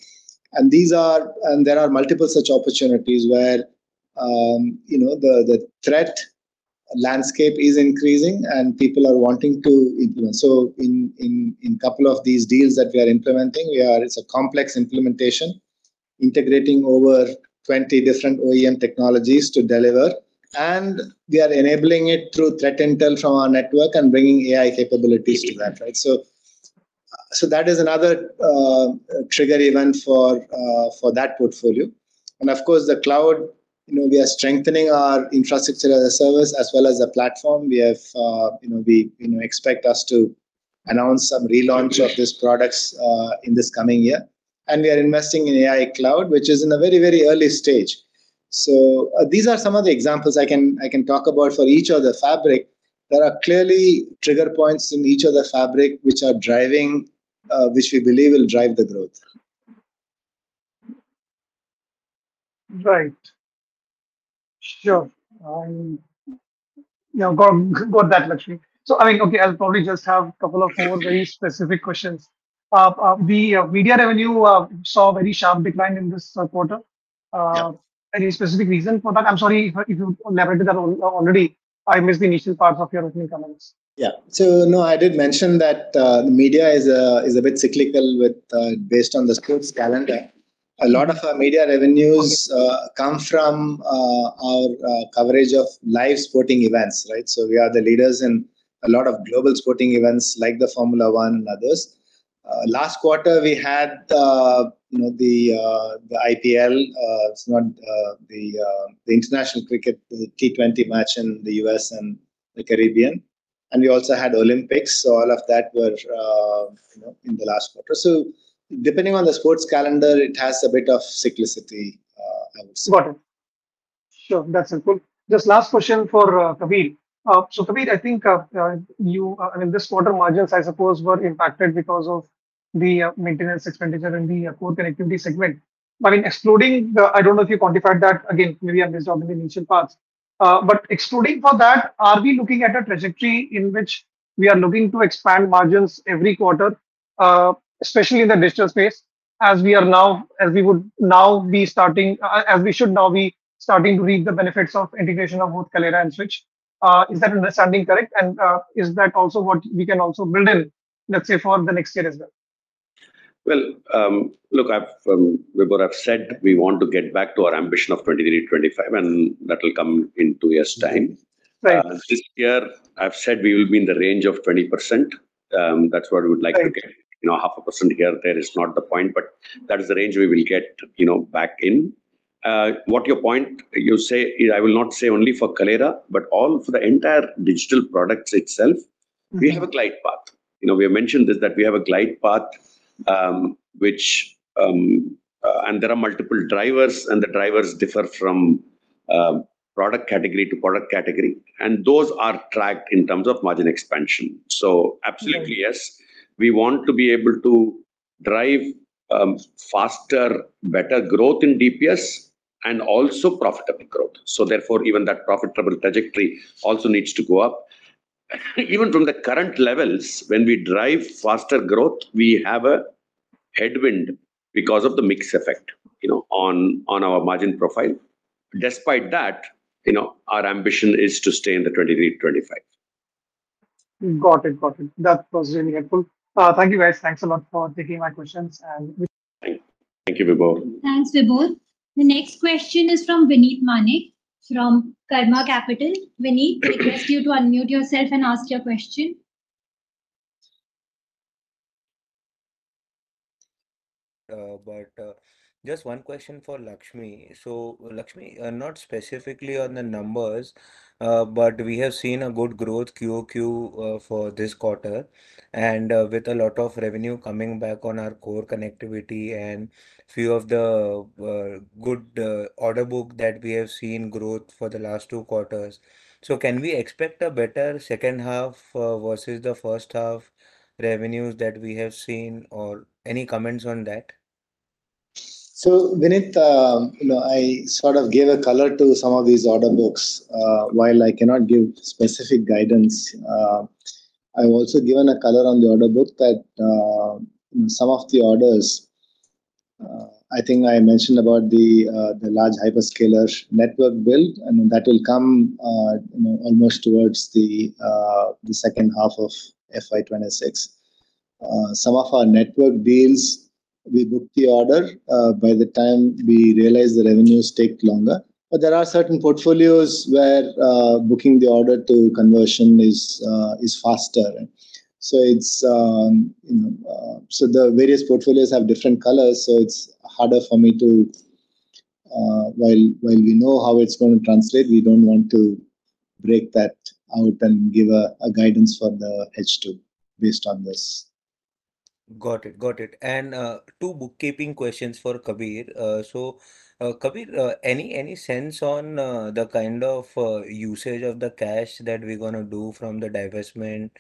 And these are and there are multiple such opportunities where, you know, the threat landscape is increasing and people are wanting to implement. So in a couple of these deals that we are implementing, it's a complex implementation, integrating over twenty different OEM technologies to deliver, and we are enabling it through threat intel from our network and bringing AI capabilities to that, right? So, so that is another trigger event for that portfolio. And of course, the cloud, you know, we are strengthening our infrastructure as a service as well as a platform. We have, you know, we, you know, expect us to announce some relaunch of these products, in this coming year. And we are investing in AI cloud, which is in a very, very early stage. So, these are some of the examples I can talk about for each of the fabrics. There are clearly trigger points in each of the fabrics, which are driving, which we believe will drive the growth. Right. Sure. Yeah, got that, Lakshmi. So, I mean, okay, I'll probably just have a couple of four very specific questions. The media revenue saw a very sharp decline in this quarter. Yeah. Any specific reason for that? I'm sorry if you elaborated that already. I missed the initial part of your opening comments. Yeah. So no, I did mention that, the media is a bit cyclical with based on the sports calendar. Yeah. A lot of our media revenues. Okay Come from our coverage of live sporting events, right? So we are the leaders in a lot of global sporting events, like the Formula One and others. Last quarter, we had, you know, the international cricket, the T20 match in the U.S. and the Caribbean, and we also had Olympics. So all of that were, you know, in the last quarter. So depending on the sports calendar, it has a bit of cyclicality, I would say. Got it. Sure, that's important. Just last question for Kabir. So, Kabir, I think, I mean, this quarter margins, I suppose, were impacted because of the maintenance expenditure in the core connectivity segment. But excluding the, I don't know if you quantified that. Again, maybe I missed out in the initial parts. But excluding for that, are we looking at a trajectory in which we are looking to expand margins every quarter, especially in the digital space, as we should now be starting to reap the benefits of integration of both Kaleyra and The Switch? Is that understanding correct? And, is that also what we can also build in, let's say, for the next year as well? Look, Vibhor, I've said we want to get back to our ambition of twenty-three, twenty-five, and that will come in two years' time. Right. This year, I've said we will be in the range of 20%. That's what we would like to get. Right. You know, 0.5% here, there is not the point, but that is the range we will get, you know, back in. What your point, you say, I will not say only for Kaleyra, but all, for the entire digital products itself. Mm-hmm We have a glide path. You know, we have mentioned this, that we have a glide path, and there are multiple drivers, and the drivers differ from product category to product category, and those are tracked in terms of margin expansion. So absolutely, yes. We want to be able to drive faster, better growth in DPS and also profitable growth. So therefore, even that profitable trajectory also needs to go up. Even from the current levels, when we drive faster growth, we have a headwind because of the mix effect, you know, on our margin profile. Despite that, you know, our ambition is to stay in the 23-25. Got it. Got it. That was really helpful. Thank you, guys. Thanks a lot for taking my questions. Thank you, Vibhor. Thanks, Vibhor. The next question is from Vinit Manek, from Karma Capital. Vineeth, I request you to unmute yourself and ask your question. But just one question for Lakshmi. So Lakshmi, not specifically on the numbers, but we have seen a good growth QOQ for this quarter, and with a lot of revenue coming back on our core connectivity and few of the good order book that we have seen growth for the last two quarters. So can we expect a better second half versus the first half revenues that we have seen, or any comments on that? So, Vineeth, you know, I sort of gave a color to some of these order books. While I cannot give specific guidance, I've also given a color on the order book that some of the orders I think I mentioned about the large hyperscaler network build, and that will come, you know, almost towards the second half of FY 2026. Some of our network deals, we book the order by the time we realize the revenues take longer. But there are certain portfolios where booking the order to conversion is faster. So it's, you know, so the various portfolios have different colors, so it's harder for me to. While we know how it's going to translate, we don't want to break that out and give a guidance for the H2 based on this. Got it. Got it. And, two bookkeeping questions for Kabir. So, Kabir, any sense on the kind of usage of the cash that we're gonna do from the divestment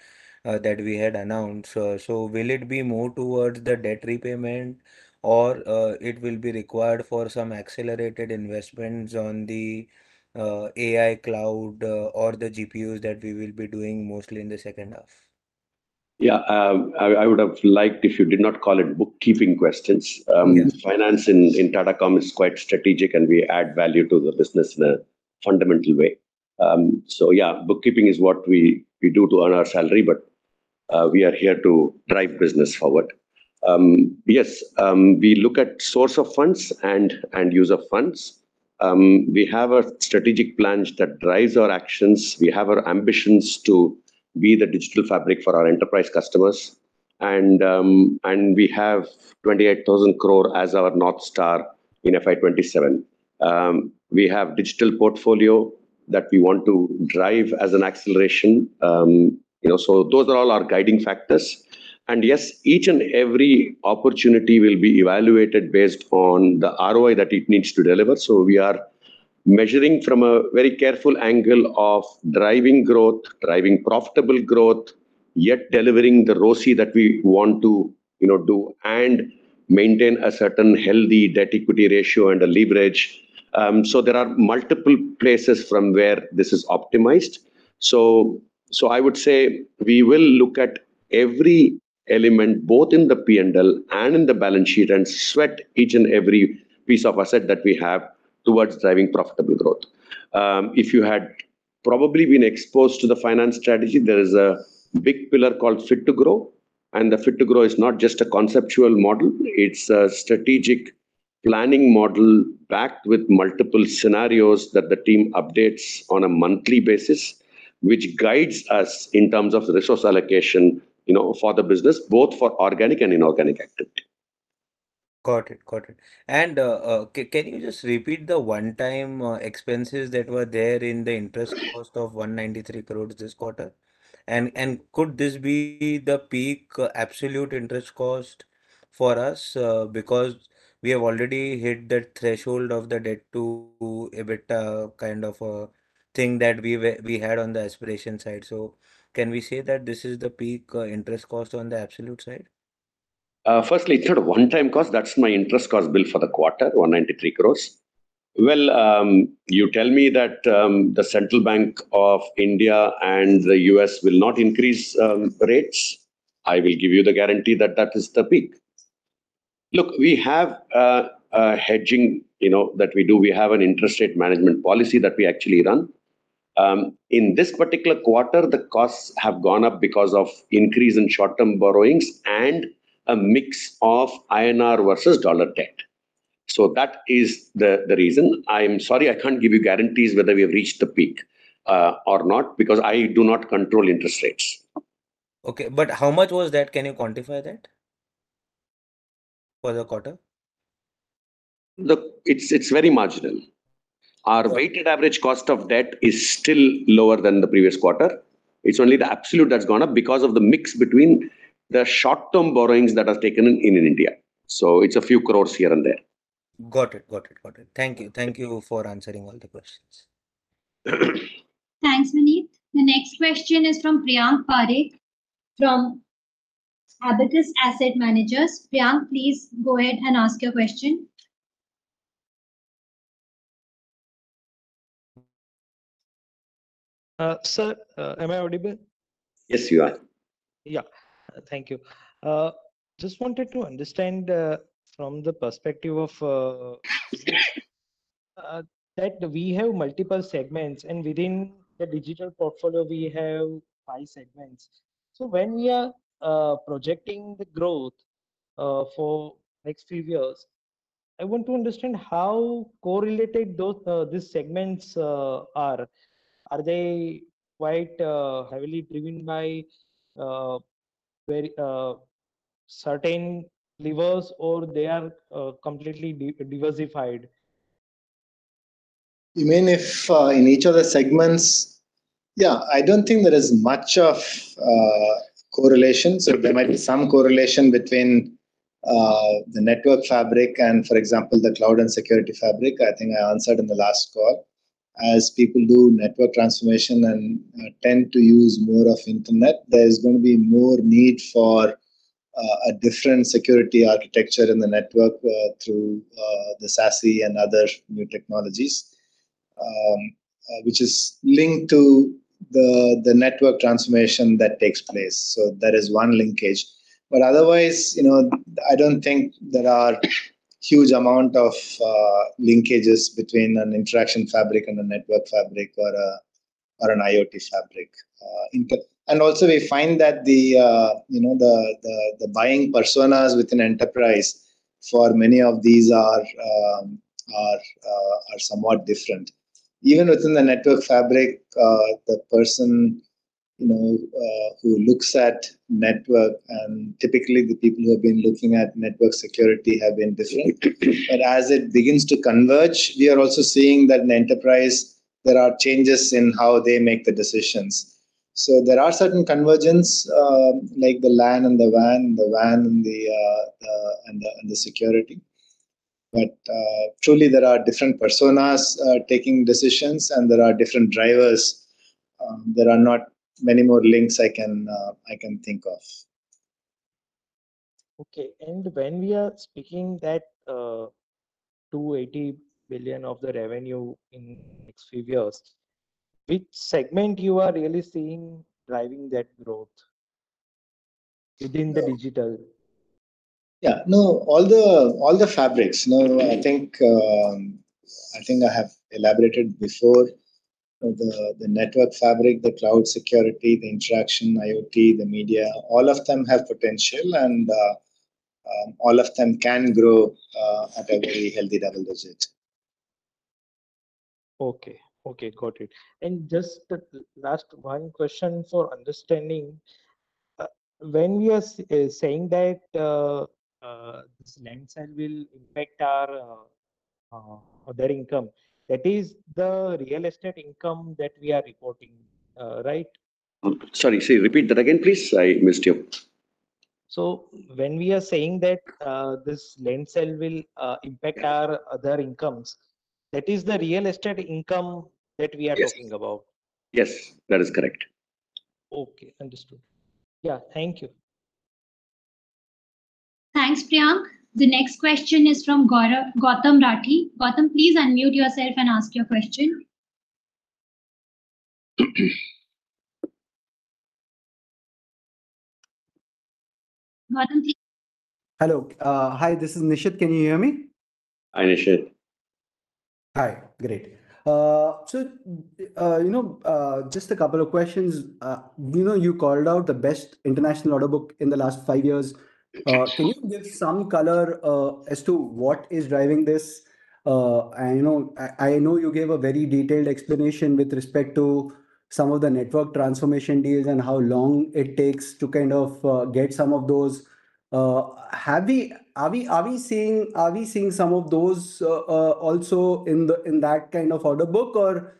that we had announced? So will it be more towards the debt repayment or it will be required for some accelerated investments on the AI cloud or the GPUs that we will be doing mostly in the second half? Yeah. I would have liked if you did not call it bookkeeping questions. Yes. Finance in Tata Comms is quite strategic, and we add value to the business in a fundamental way, so yeah, bookkeeping is what we do to earn our salary, but we are here to drive business forward. We look at source of funds and use of funds. We have a strategic plan that drives our actions. We have our ambitions to be the Digital Fabric for our enterprise customers, and we have 28,000 crore as our North Star in FY 2027. We have digital portfolio that we want to drive as an acceleration. You know, so those are all our guiding factors. Yes, each and every opportunity will be evaluated based on the ROI that it needs to deliver, so we are measuring from a very careful angle of driving growth, driving profitable growth, yet delivering the ROCE that we want to, you know, do and maintain a certain healthy debt equity ratio and a leverage. There are multiple places from where this is optimized. I would say we will look at every element, both in the P&L and in the balance sheet, and sweat each and every piece of asset that we have towards driving profitable growth. If you had probably been exposed to the finance strategy, there is a big pillar called Fit to Grow, and the Fit to Grow is not just a conceptual model, it's a strategic planning model backed with multiple scenarios that the team updates on a monthly basis, which guides us in terms of resource allocation, you know, for the business, both for organic and inorganic activity. Got it. Got it. And can you just repeat the one-time expenses that were there in the interest cost of 193 crore this quarter? And could this be the peak absolute interest cost for us? Because we have already hit the threshold of the debt to EBITDA kind of thing that we were we had on the aspiration side. So can we say that this is the peak interest cost on the absolute side? Firstly, it's not a one-time cost, that's my interest cost bill for the quarter, 193 crores. You tell me that the Central Bank of India and the U.S. will not increase rates. I will give you the guarantee that that is the peak. Look, we have a hedging, you know, that we do. We have an interest rate management policy that we actually run. In this particular quarter, the costs have gone up because of increase in short-term borrowings and a mix of INR versus dollar debt. So that is the reason. I'm sorry, I can't give you guarantees whether we have reached the peak or not, because I do not control interest rates. Okay, but how much was that? Can you quantify that for the quarter? Look, it's very marginal. Okay. Our weighted average cost of debt is still lower than the previous quarter. It's only the absolute that's gone up because of the mix between the short-term borrowings that are taken in, in India. So it's a few crores here and there. Got it. Got it, got it. Thank you. Thank you for answering all the questions. Thanks, Vineeth. The next question is from Priyank Parekh, from Abakkus Asset Managers. Priyank, please go ahead and ask your question. Sir, am I audible? Yes, you are. Yeah. Thank you. Just wanted to understand, from the perspective of, that we have multiple segments, and within the digital portfolio, we have five segments. So when we are projecting the growth, for next few years, I want to understand how correlated those, these segments, are. Are they quite, heavily driven by, very, certain levers, or they are, completely diversified? You mean if in each of the segments. Yeah, I don't think there is much of correlation. So there might be some correlation between the Network Fabric and, for example, the cloud and security fabric. I think I answered in the last call. As people do network transformation and tend to use more of internet, there is gonna be more need for a different security architecture in the network through the SASE and other new technologies, which is linked to the network transformation that takes place, so that is one linkage. But otherwise, you know, I don't think there are huge amount of linkages between an Interaction Fabric and a Network Fabric or an IoT fabric. And also we find that the, you know, the buying personas within enterprise for many of these are somewhat different. Even within the Network Fabric, the person, you know, who looks at network, and typically the people who have been looking at network security have been different. But as it begins to converge, we are also seeing that in enterprise there are changes in how they make the decisions. So there are certain convergence, like the LAN and the WAN, the WAN and the security. But truly there are different personas taking decisions and there are different drivers. There are not many more links I can think of. Okay, and when we are speaking that 280 billion of the revenue in next few years, which segment you are really seeing driving that growth within the digital? Yeah, no, all the fabrics. No, I think I have elaborated before, the Network Fabric, the cloud security, the interconnect, IoT, the media, all of them have potential and all of them can grow at a very healthy double digits. Okay. Okay, got it. And just the last one question for understanding. When we are saying that this land sale will impact our, their income, that is the real estate income that we are reporting, right? Sorry. Sorry, repeat that again, please. I missed you. So when we are saying that this land sale will impact our other incomes, that is the real estate income that we are talking about? Yes, that is correct. Okay, understood. Yeah. Thank you. Thanks, Priyank. The next question is from Gautam Rathi. Gautam, please unmute yourself and ask your question. Gautam, please. Hello? Hi, this is Nishit. Can you hear me? Hi, Nishit. Hi, great. So, you know, just a couple of questions. You know, you called out the best international order book in the last five years. Can you give some color as to what is driving this? I know you gave a very detailed explanation with respect to some of the network transformation deals and how long it takes to kind of get some of those. Are we seeing some of those also in that kind of order book? Or,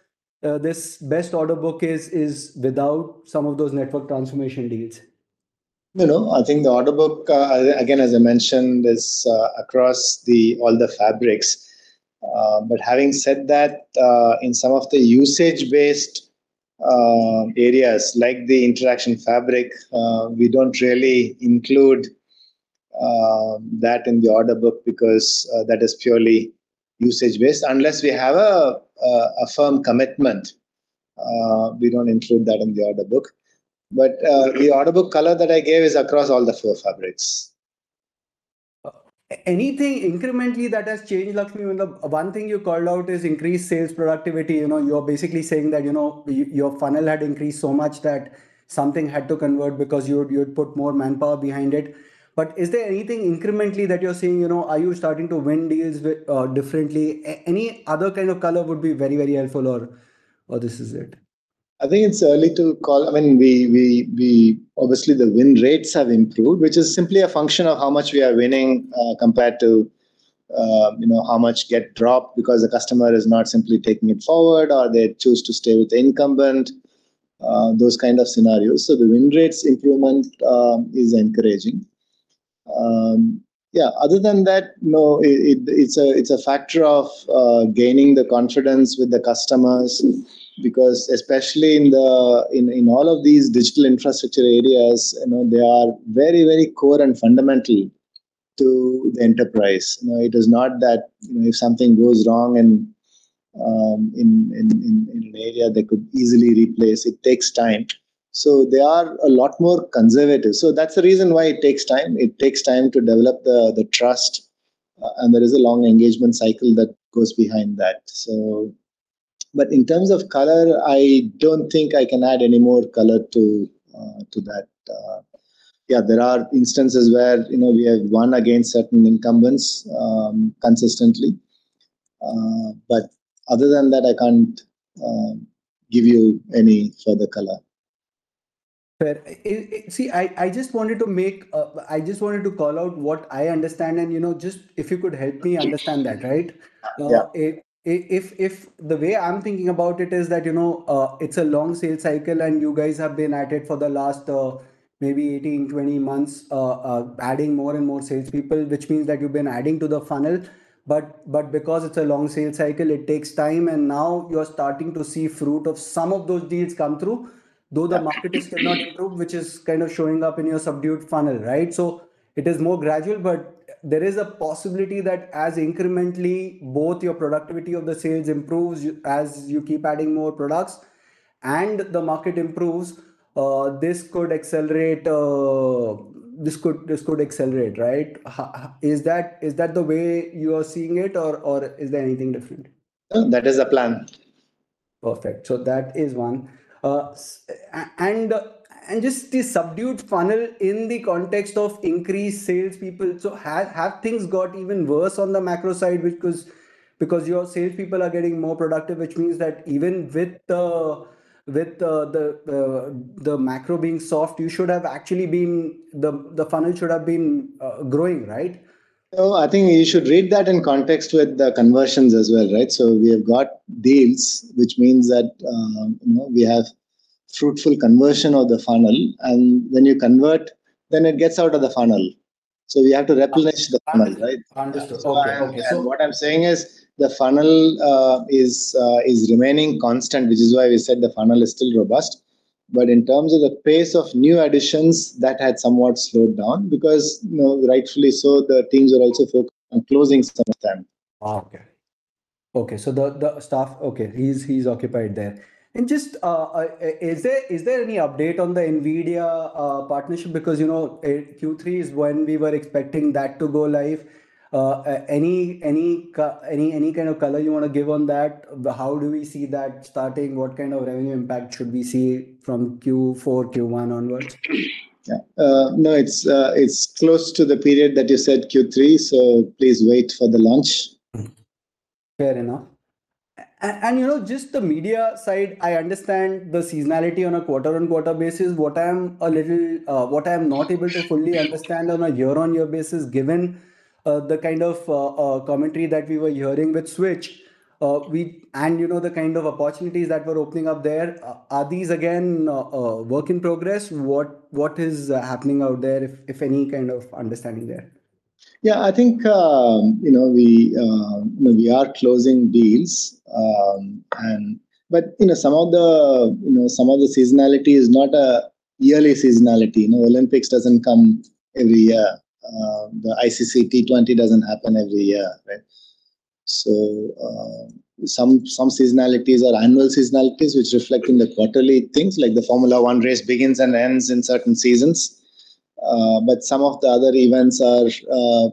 this vast order book is without some of those network transformation deals? No, no, I think the order book, again, as I mentioned, is across all the fabrics. But having said that, in some of the usage-based areas like the Interaction Fabric, we don't really include that in the order book because that is purely usage-based. Unless we have a firm commitment, we don't include that in the order book. But the order book color that I gave is across all the four fabrics. Anything incrementally that has changed, Lakshmi? One thing you called out is increased sales productivity. You know, you're basically saying that, you know, your funnel had increased so much that something had to convert because you had put more manpower behind it. But is there anything incrementally that you're seeing? You know, are you starting to win deals differently? Any other kind of color would be very, very helpful or, or this is it? I think it's early to call. I mean, we obviously, the win rates have improved, which is simply a function of how much we are winning, compared to, you know, how much get dropped because the customer is not simply taking it forward, or they choose to stay with the incumbent, those kind of scenarios, so the win rates improvement is encouraging. Yeah, other than that, no, it's a factor of gaining the confidence with the customers, because especially in the area, they could easily replace. It takes time, so they are a lot more conservative. So that's the reason why it takes time. It takes time to develop the trust, and there is a long engagement cycle that goes behind that. So but in terms of color, I don't think I can add any more color to that. Yeah, there are instances where, you know, we have won against certain incumbents consistently. But other than that, I can't give you any further color. Fair. See, I just wanted to call out what I understand, and, you know, just if you could help me understand that, right? Yeah. If the way I'm thinking about it is that, you know, it's a long sales cycle, and you guys have been at it for the last maybe eighteen, twenty months, adding more and more salespeople, which means that you've been adding to the funnel. But because it's a long sales cycle, it takes time, and now you're starting to see fruit of some of those deals come through, though the market is still not improved which is kind of showing up in your subdued funnel, right? So it is more gradual, but there is a possibility that as incrementally, both your productivity of the sales improves as you keep adding more products and the market improves, this could accelerate, this could accelerate, right? Is that, is that the way you are seeing it, or is there anything different? That is the plan. Perfect. So that is one, and just the subdued funnel in the context of increased sales people, so have things got even worse on the macro side? Because your sales people are getting more productive, which means that even with the macro being soft, you should have actually been the funnel should have been growing, right? I think you should read that in context with the conversions as well, right, so we have got deals, which means that, you know, we have fruitful conversion of the funnel, and when you convert, then it gets out of the funnel, so we have to replenish the funnel, right? Understood. Okay. So what I'm saying is the funnel is remaining constant, which is why we said the funnel is still robust. But in terms of the pace of new additions, that had somewhat slowed down because, you know, rightfully so, the teams are also focused on closing some of them. Okay. He's occupied there. And just, is there any update on the NVIDIA partnership? Because, you know, Q3 is when we were expecting that to go live. Any kind of color you want to give on that? How do we see that starting? What kind of revenue impact should we see from Q4, Q1 onwards? Yeah. No, it's close to the period that you said Q3, so please wait for the launch. Fair enough. And, you know, just the media side, I understand the seasonality on a quarter-on-quarter basis. What I'm not able to fully understand on a year-on-year basis, given the kind of commentary that we were hearing with The Switch. And, you know, the kind of opportunities that were opening up there, are these again a work in progress? What is happening out there, if any kind of understanding there? Yeah, I think, you know, we are closing deals. But, you know, some of the seasonality is not a yearly seasonality. You know, Olympics doesn't come every year. The ICC T20 doesn't happen every year, right? So, some seasonalities are annual seasonalities, which reflect in the quarterly. Things like the Formula One race begins and ends in certain seasons, but some of the other events are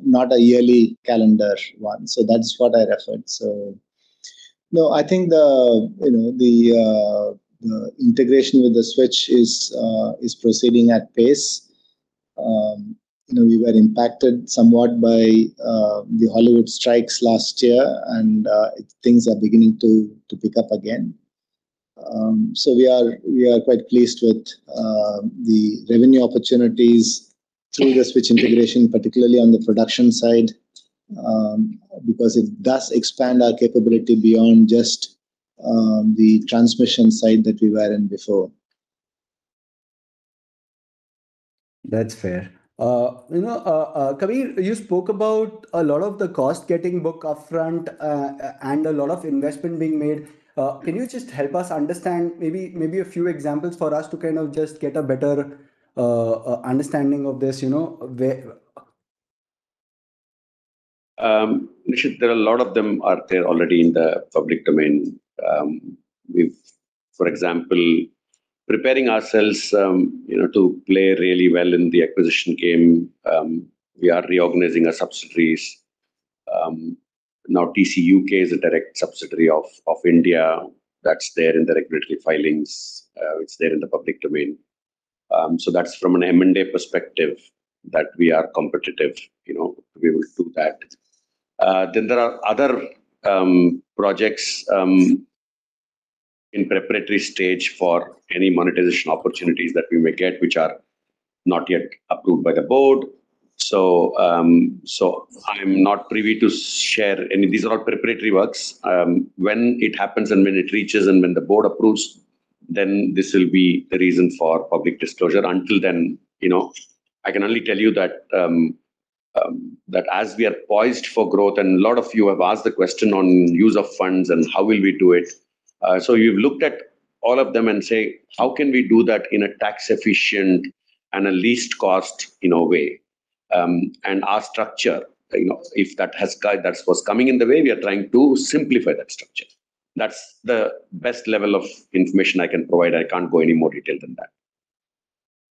not a yearly calendar one. So that's what I referred. So... No, I think the integration with The Switch is proceeding at pace. You know, we were impacted somewhat by the Hollywood strikes last year, and things are beginning to pick up again. So we are quite pleased with the revenue opportunities through the Switch integration, particularly on the production side, because it does expand our capability beyond just the transmission side that we were in before. That's fair. You know, Kabir, you spoke about a lot of the costs getting booked upfront and a lot of investment being made. Can you just help us understand maybe a few examples for us to kind of just get a better understanding of this, you know, where. Nishit, there are a lot of them are there already in the public domain. We've, for example, preparing ourselves, you know, to play really well in the acquisition game. We are reorganizing our subsidiaries. Now, TC U.K. is a direct subsidiary of India. That's there in the regulatory filings. It's there in the public domain. So that's from an M&A perspective that we are competitive, you know, we will do that. Then there are other projects in preparatory stage for any monetization opportunities that we may get, which are not yet approved by the board. So I'm not privy to share any. These are all preparatory works. When it happens and when it reaches, and when the board approves, then this will be the reason for public disclosure. Until then, you know, I can only tell you that as we are poised for growth, and a lot of you have asked the question on use of funds and how will we do it. So we've looked at all of them and say: How can we do that in a tax-efficient and a least cost, you know, way? And our structure, you know, if that was coming in the way, we are trying to simplify that structure. That's the best level of information I can provide. I can't go any more detailed than that.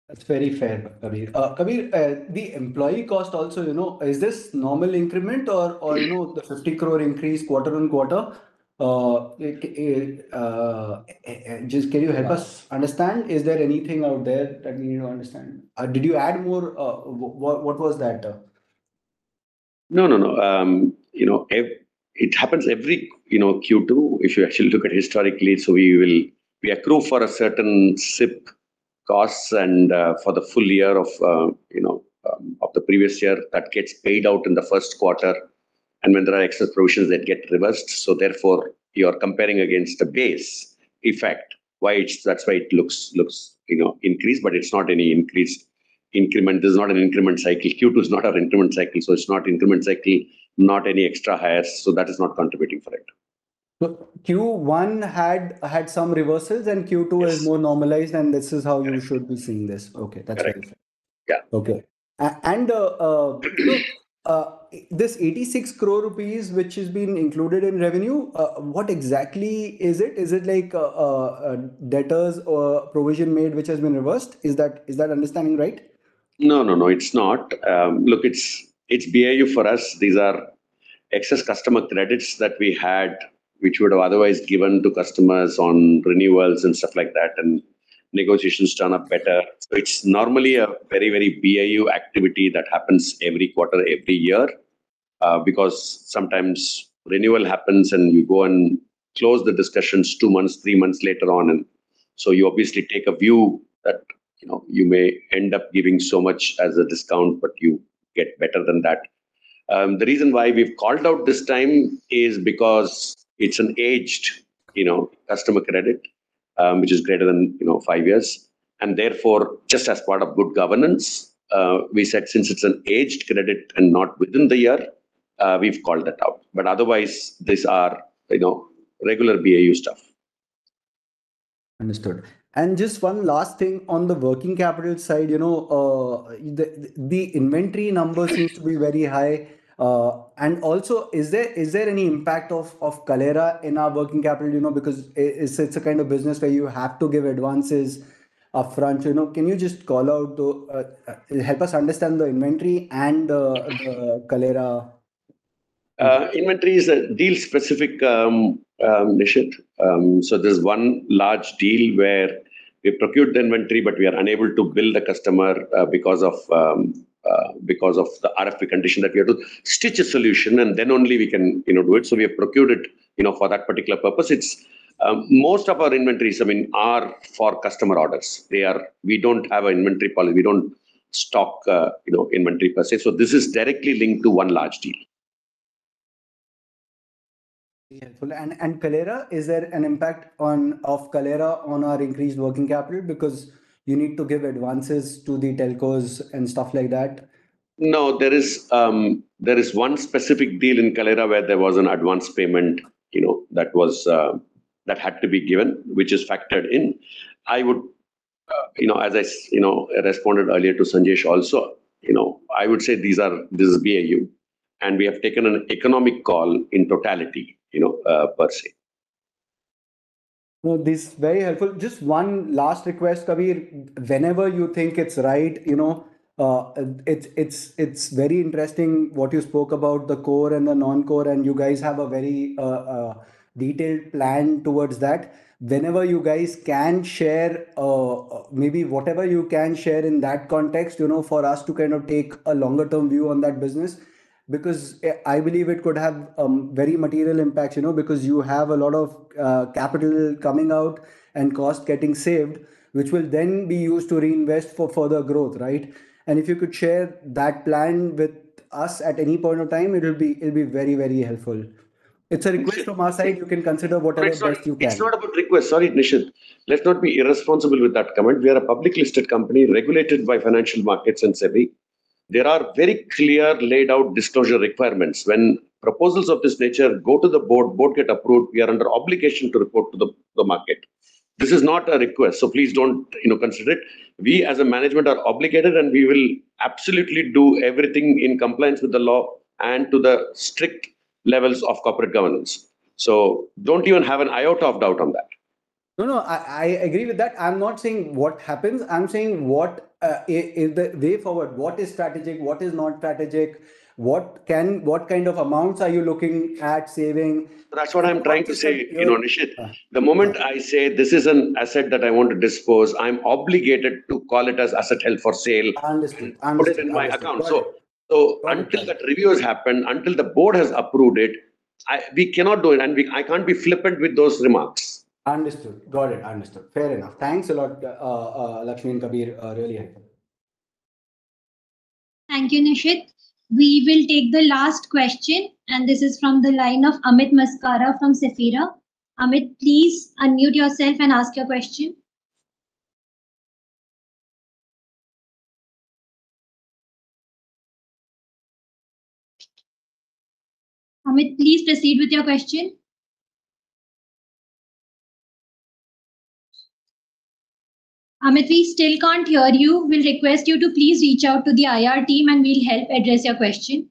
That's very fair, Kabir. Kabir, the employee cost also, you know, is this normal increment or you know, the 50 crore increase quarter on quarter? Just can you help us understand, is there anything out there that we need to understand? Did you add more, what was that? No, no, no. You know, it happens every, you know, Q2, if you actually look at historically. So we accrue for a certain SIP costs and, for the full year of, you know, of the previous year, that gets paid out in the first quarter, and when there are excess provisions, that get reversed. So therefore, you are comparing against the base effect. Why that's why it looks, looks, you know, increased, but it's not any increased increment. This is not an increment cycle. Q2 is not our increment cycle, so it's not increment cycle, not any extra hires, so that is not contributing for it. Look, Q1 had some reversals, and Q2 is more normalized, and this is how you should be seeing this. Okay, that's Correct. Yeah, okay. And this 86 crore rupees, which has been included in revenue, what exactly is it? Is it like a debtors or provision made, which has been reversed? Is that understanding right? No, no, no, it's not. Look, it's BAU for us. These are excess customer credits that we had, which we would have otherwise given to customers on renewals and stuff like that, and negotiations turn out better, so it's normally a very, very BAU activity that happens every quarter, every year. Because sometimes renewal happens, and we go and close the discussions two months, three months later on, and so you obviously take a view that, you know, you may end up giving so much as a discount, but you get better than that. The reason why we've called out this time is because it's an aged, you know, customer credit, which is greater than, you know, five years, and therefore, just as part of good governance, we said since it's an aged credit and not within the year, we've called that out, but otherwise these are, you know, regular BAU stuff. Understood. And just one last thing on the working capital side, you know, the inventory numbers seem to be very high. And also, is there any impact of Kaleyra in our working capital? You know, because it's a kind of business where you have to give advances upfront. You know, can you just help us understand the inventory and the Kaleyra? Inventory is a deal-specific, Nishit, so there's one large deal where we've procured the inventory, but we are unable to bill the customer, because of the RFP condition, that we have to stitch a solution, and then only we can, you know, do it. So we have procured it, you know, for that particular purpose. It's most of our inventories, I mean, are for customer orders. They are. We don't have an inventory policy. We don't stock, you know, inventory per se, so this is directly linked to one large deal. Yeah. And, and Kaleyra, is there an impact on, of Kaleyra on our increased working capital? Because you need to give advances to the telcos and stuff like that. No, there is one specific deal in Kaleyra where there was an advance payment, you know, that had to be given, which is factored in. I would, you know, as I, you know, responded earlier to Sanjay also, you know, I would say these are, this is BAU, and we have taken an economic call in totality, you know, per se. This is very helpful. Just one last request, Kabir. Whenever you think it's right, you know, it's very interesting what you spoke about the core and the non-core, and you guys have a very detailed plan towards that. Whenever you guys can share, maybe whatever you can share in that context, you know, for us to kind of take a longer-term view on that business, because I believe it could have very material impact, you know, because you have a lot of capital coming out and cost getting saved, which will then be used to reinvest for further growth, right? And if you could share that plan with us at any point of time, it'll be very, very helpful. It's a request from our side. You can consider whatever best you can. It's not about request. Sorry, Nishit. Let's not be irresponsible with that comment. We are a publicly listed company, regulated by financial markets and SEBI. There are very clear, laid-out disclosure requirements. When proposals of this nature go to the board and get approved, we are under obligation to report to the market. This is not a request, so please don't, you know, consider it. We, as a management, are obligated, and we will absolutely do everything in compliance with the law and to the strict levels of corporate governance so don't even have an iota of doubt on that. No, no, I agree with that. I'm not saying what happens. I'm saying what is the way forward? What is strategic, what is not strategic? What kind of amounts are you looking at saving? That's what I'm trying to say, you know, Nishit. Uh. The moment I say, "This is an asset that I want to dispose," I'm obligated to call it an asset held for sale- I understand. and put it in my account. Got it. Until that review has happened, until the board has approved it, we cannot do it, and I can't be flippant with those remarks. Understood. Got it, understood. Fair enough. Thanks a lot, Lakshmi and Kabir. Really helpful. Thank you, Nishit. We will take the last question, and this is from the line of Amit Maskara from Safira. Amit, please unmute yourself and ask your question. Amit, please proceed with your question. Amit, we still can't hear you. We'll request you to please reach out to the IR team, and we'll help address your question.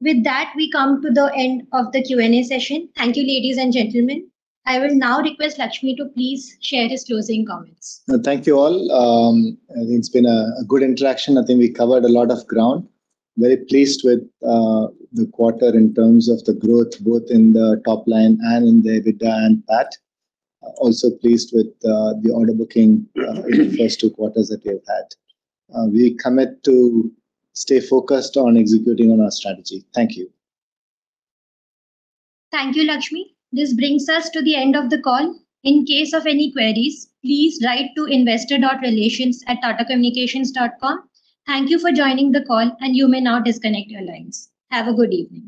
With that, we come to the end of the Q&A session. Thank you, ladies and gentlemen. I will now request Lakshmi to please share his closing comments. Thank you all. I think it's been a good interaction. I think we covered a lot of ground. Very pleased with the quarter in terms of the growth, both in the top line and in the EBITDA and PAT. Also pleased with the order booking in the first two quarters that we've had. We commit to stay focused on executing on our strategy. Thank you. Thank you, Lakshmi. This brings us to the end of the call. In case of any queries, please write to investor.relations@tatacommunications.com. Thank you for joining the call, and you may now disconnect your lines. Have a good evening.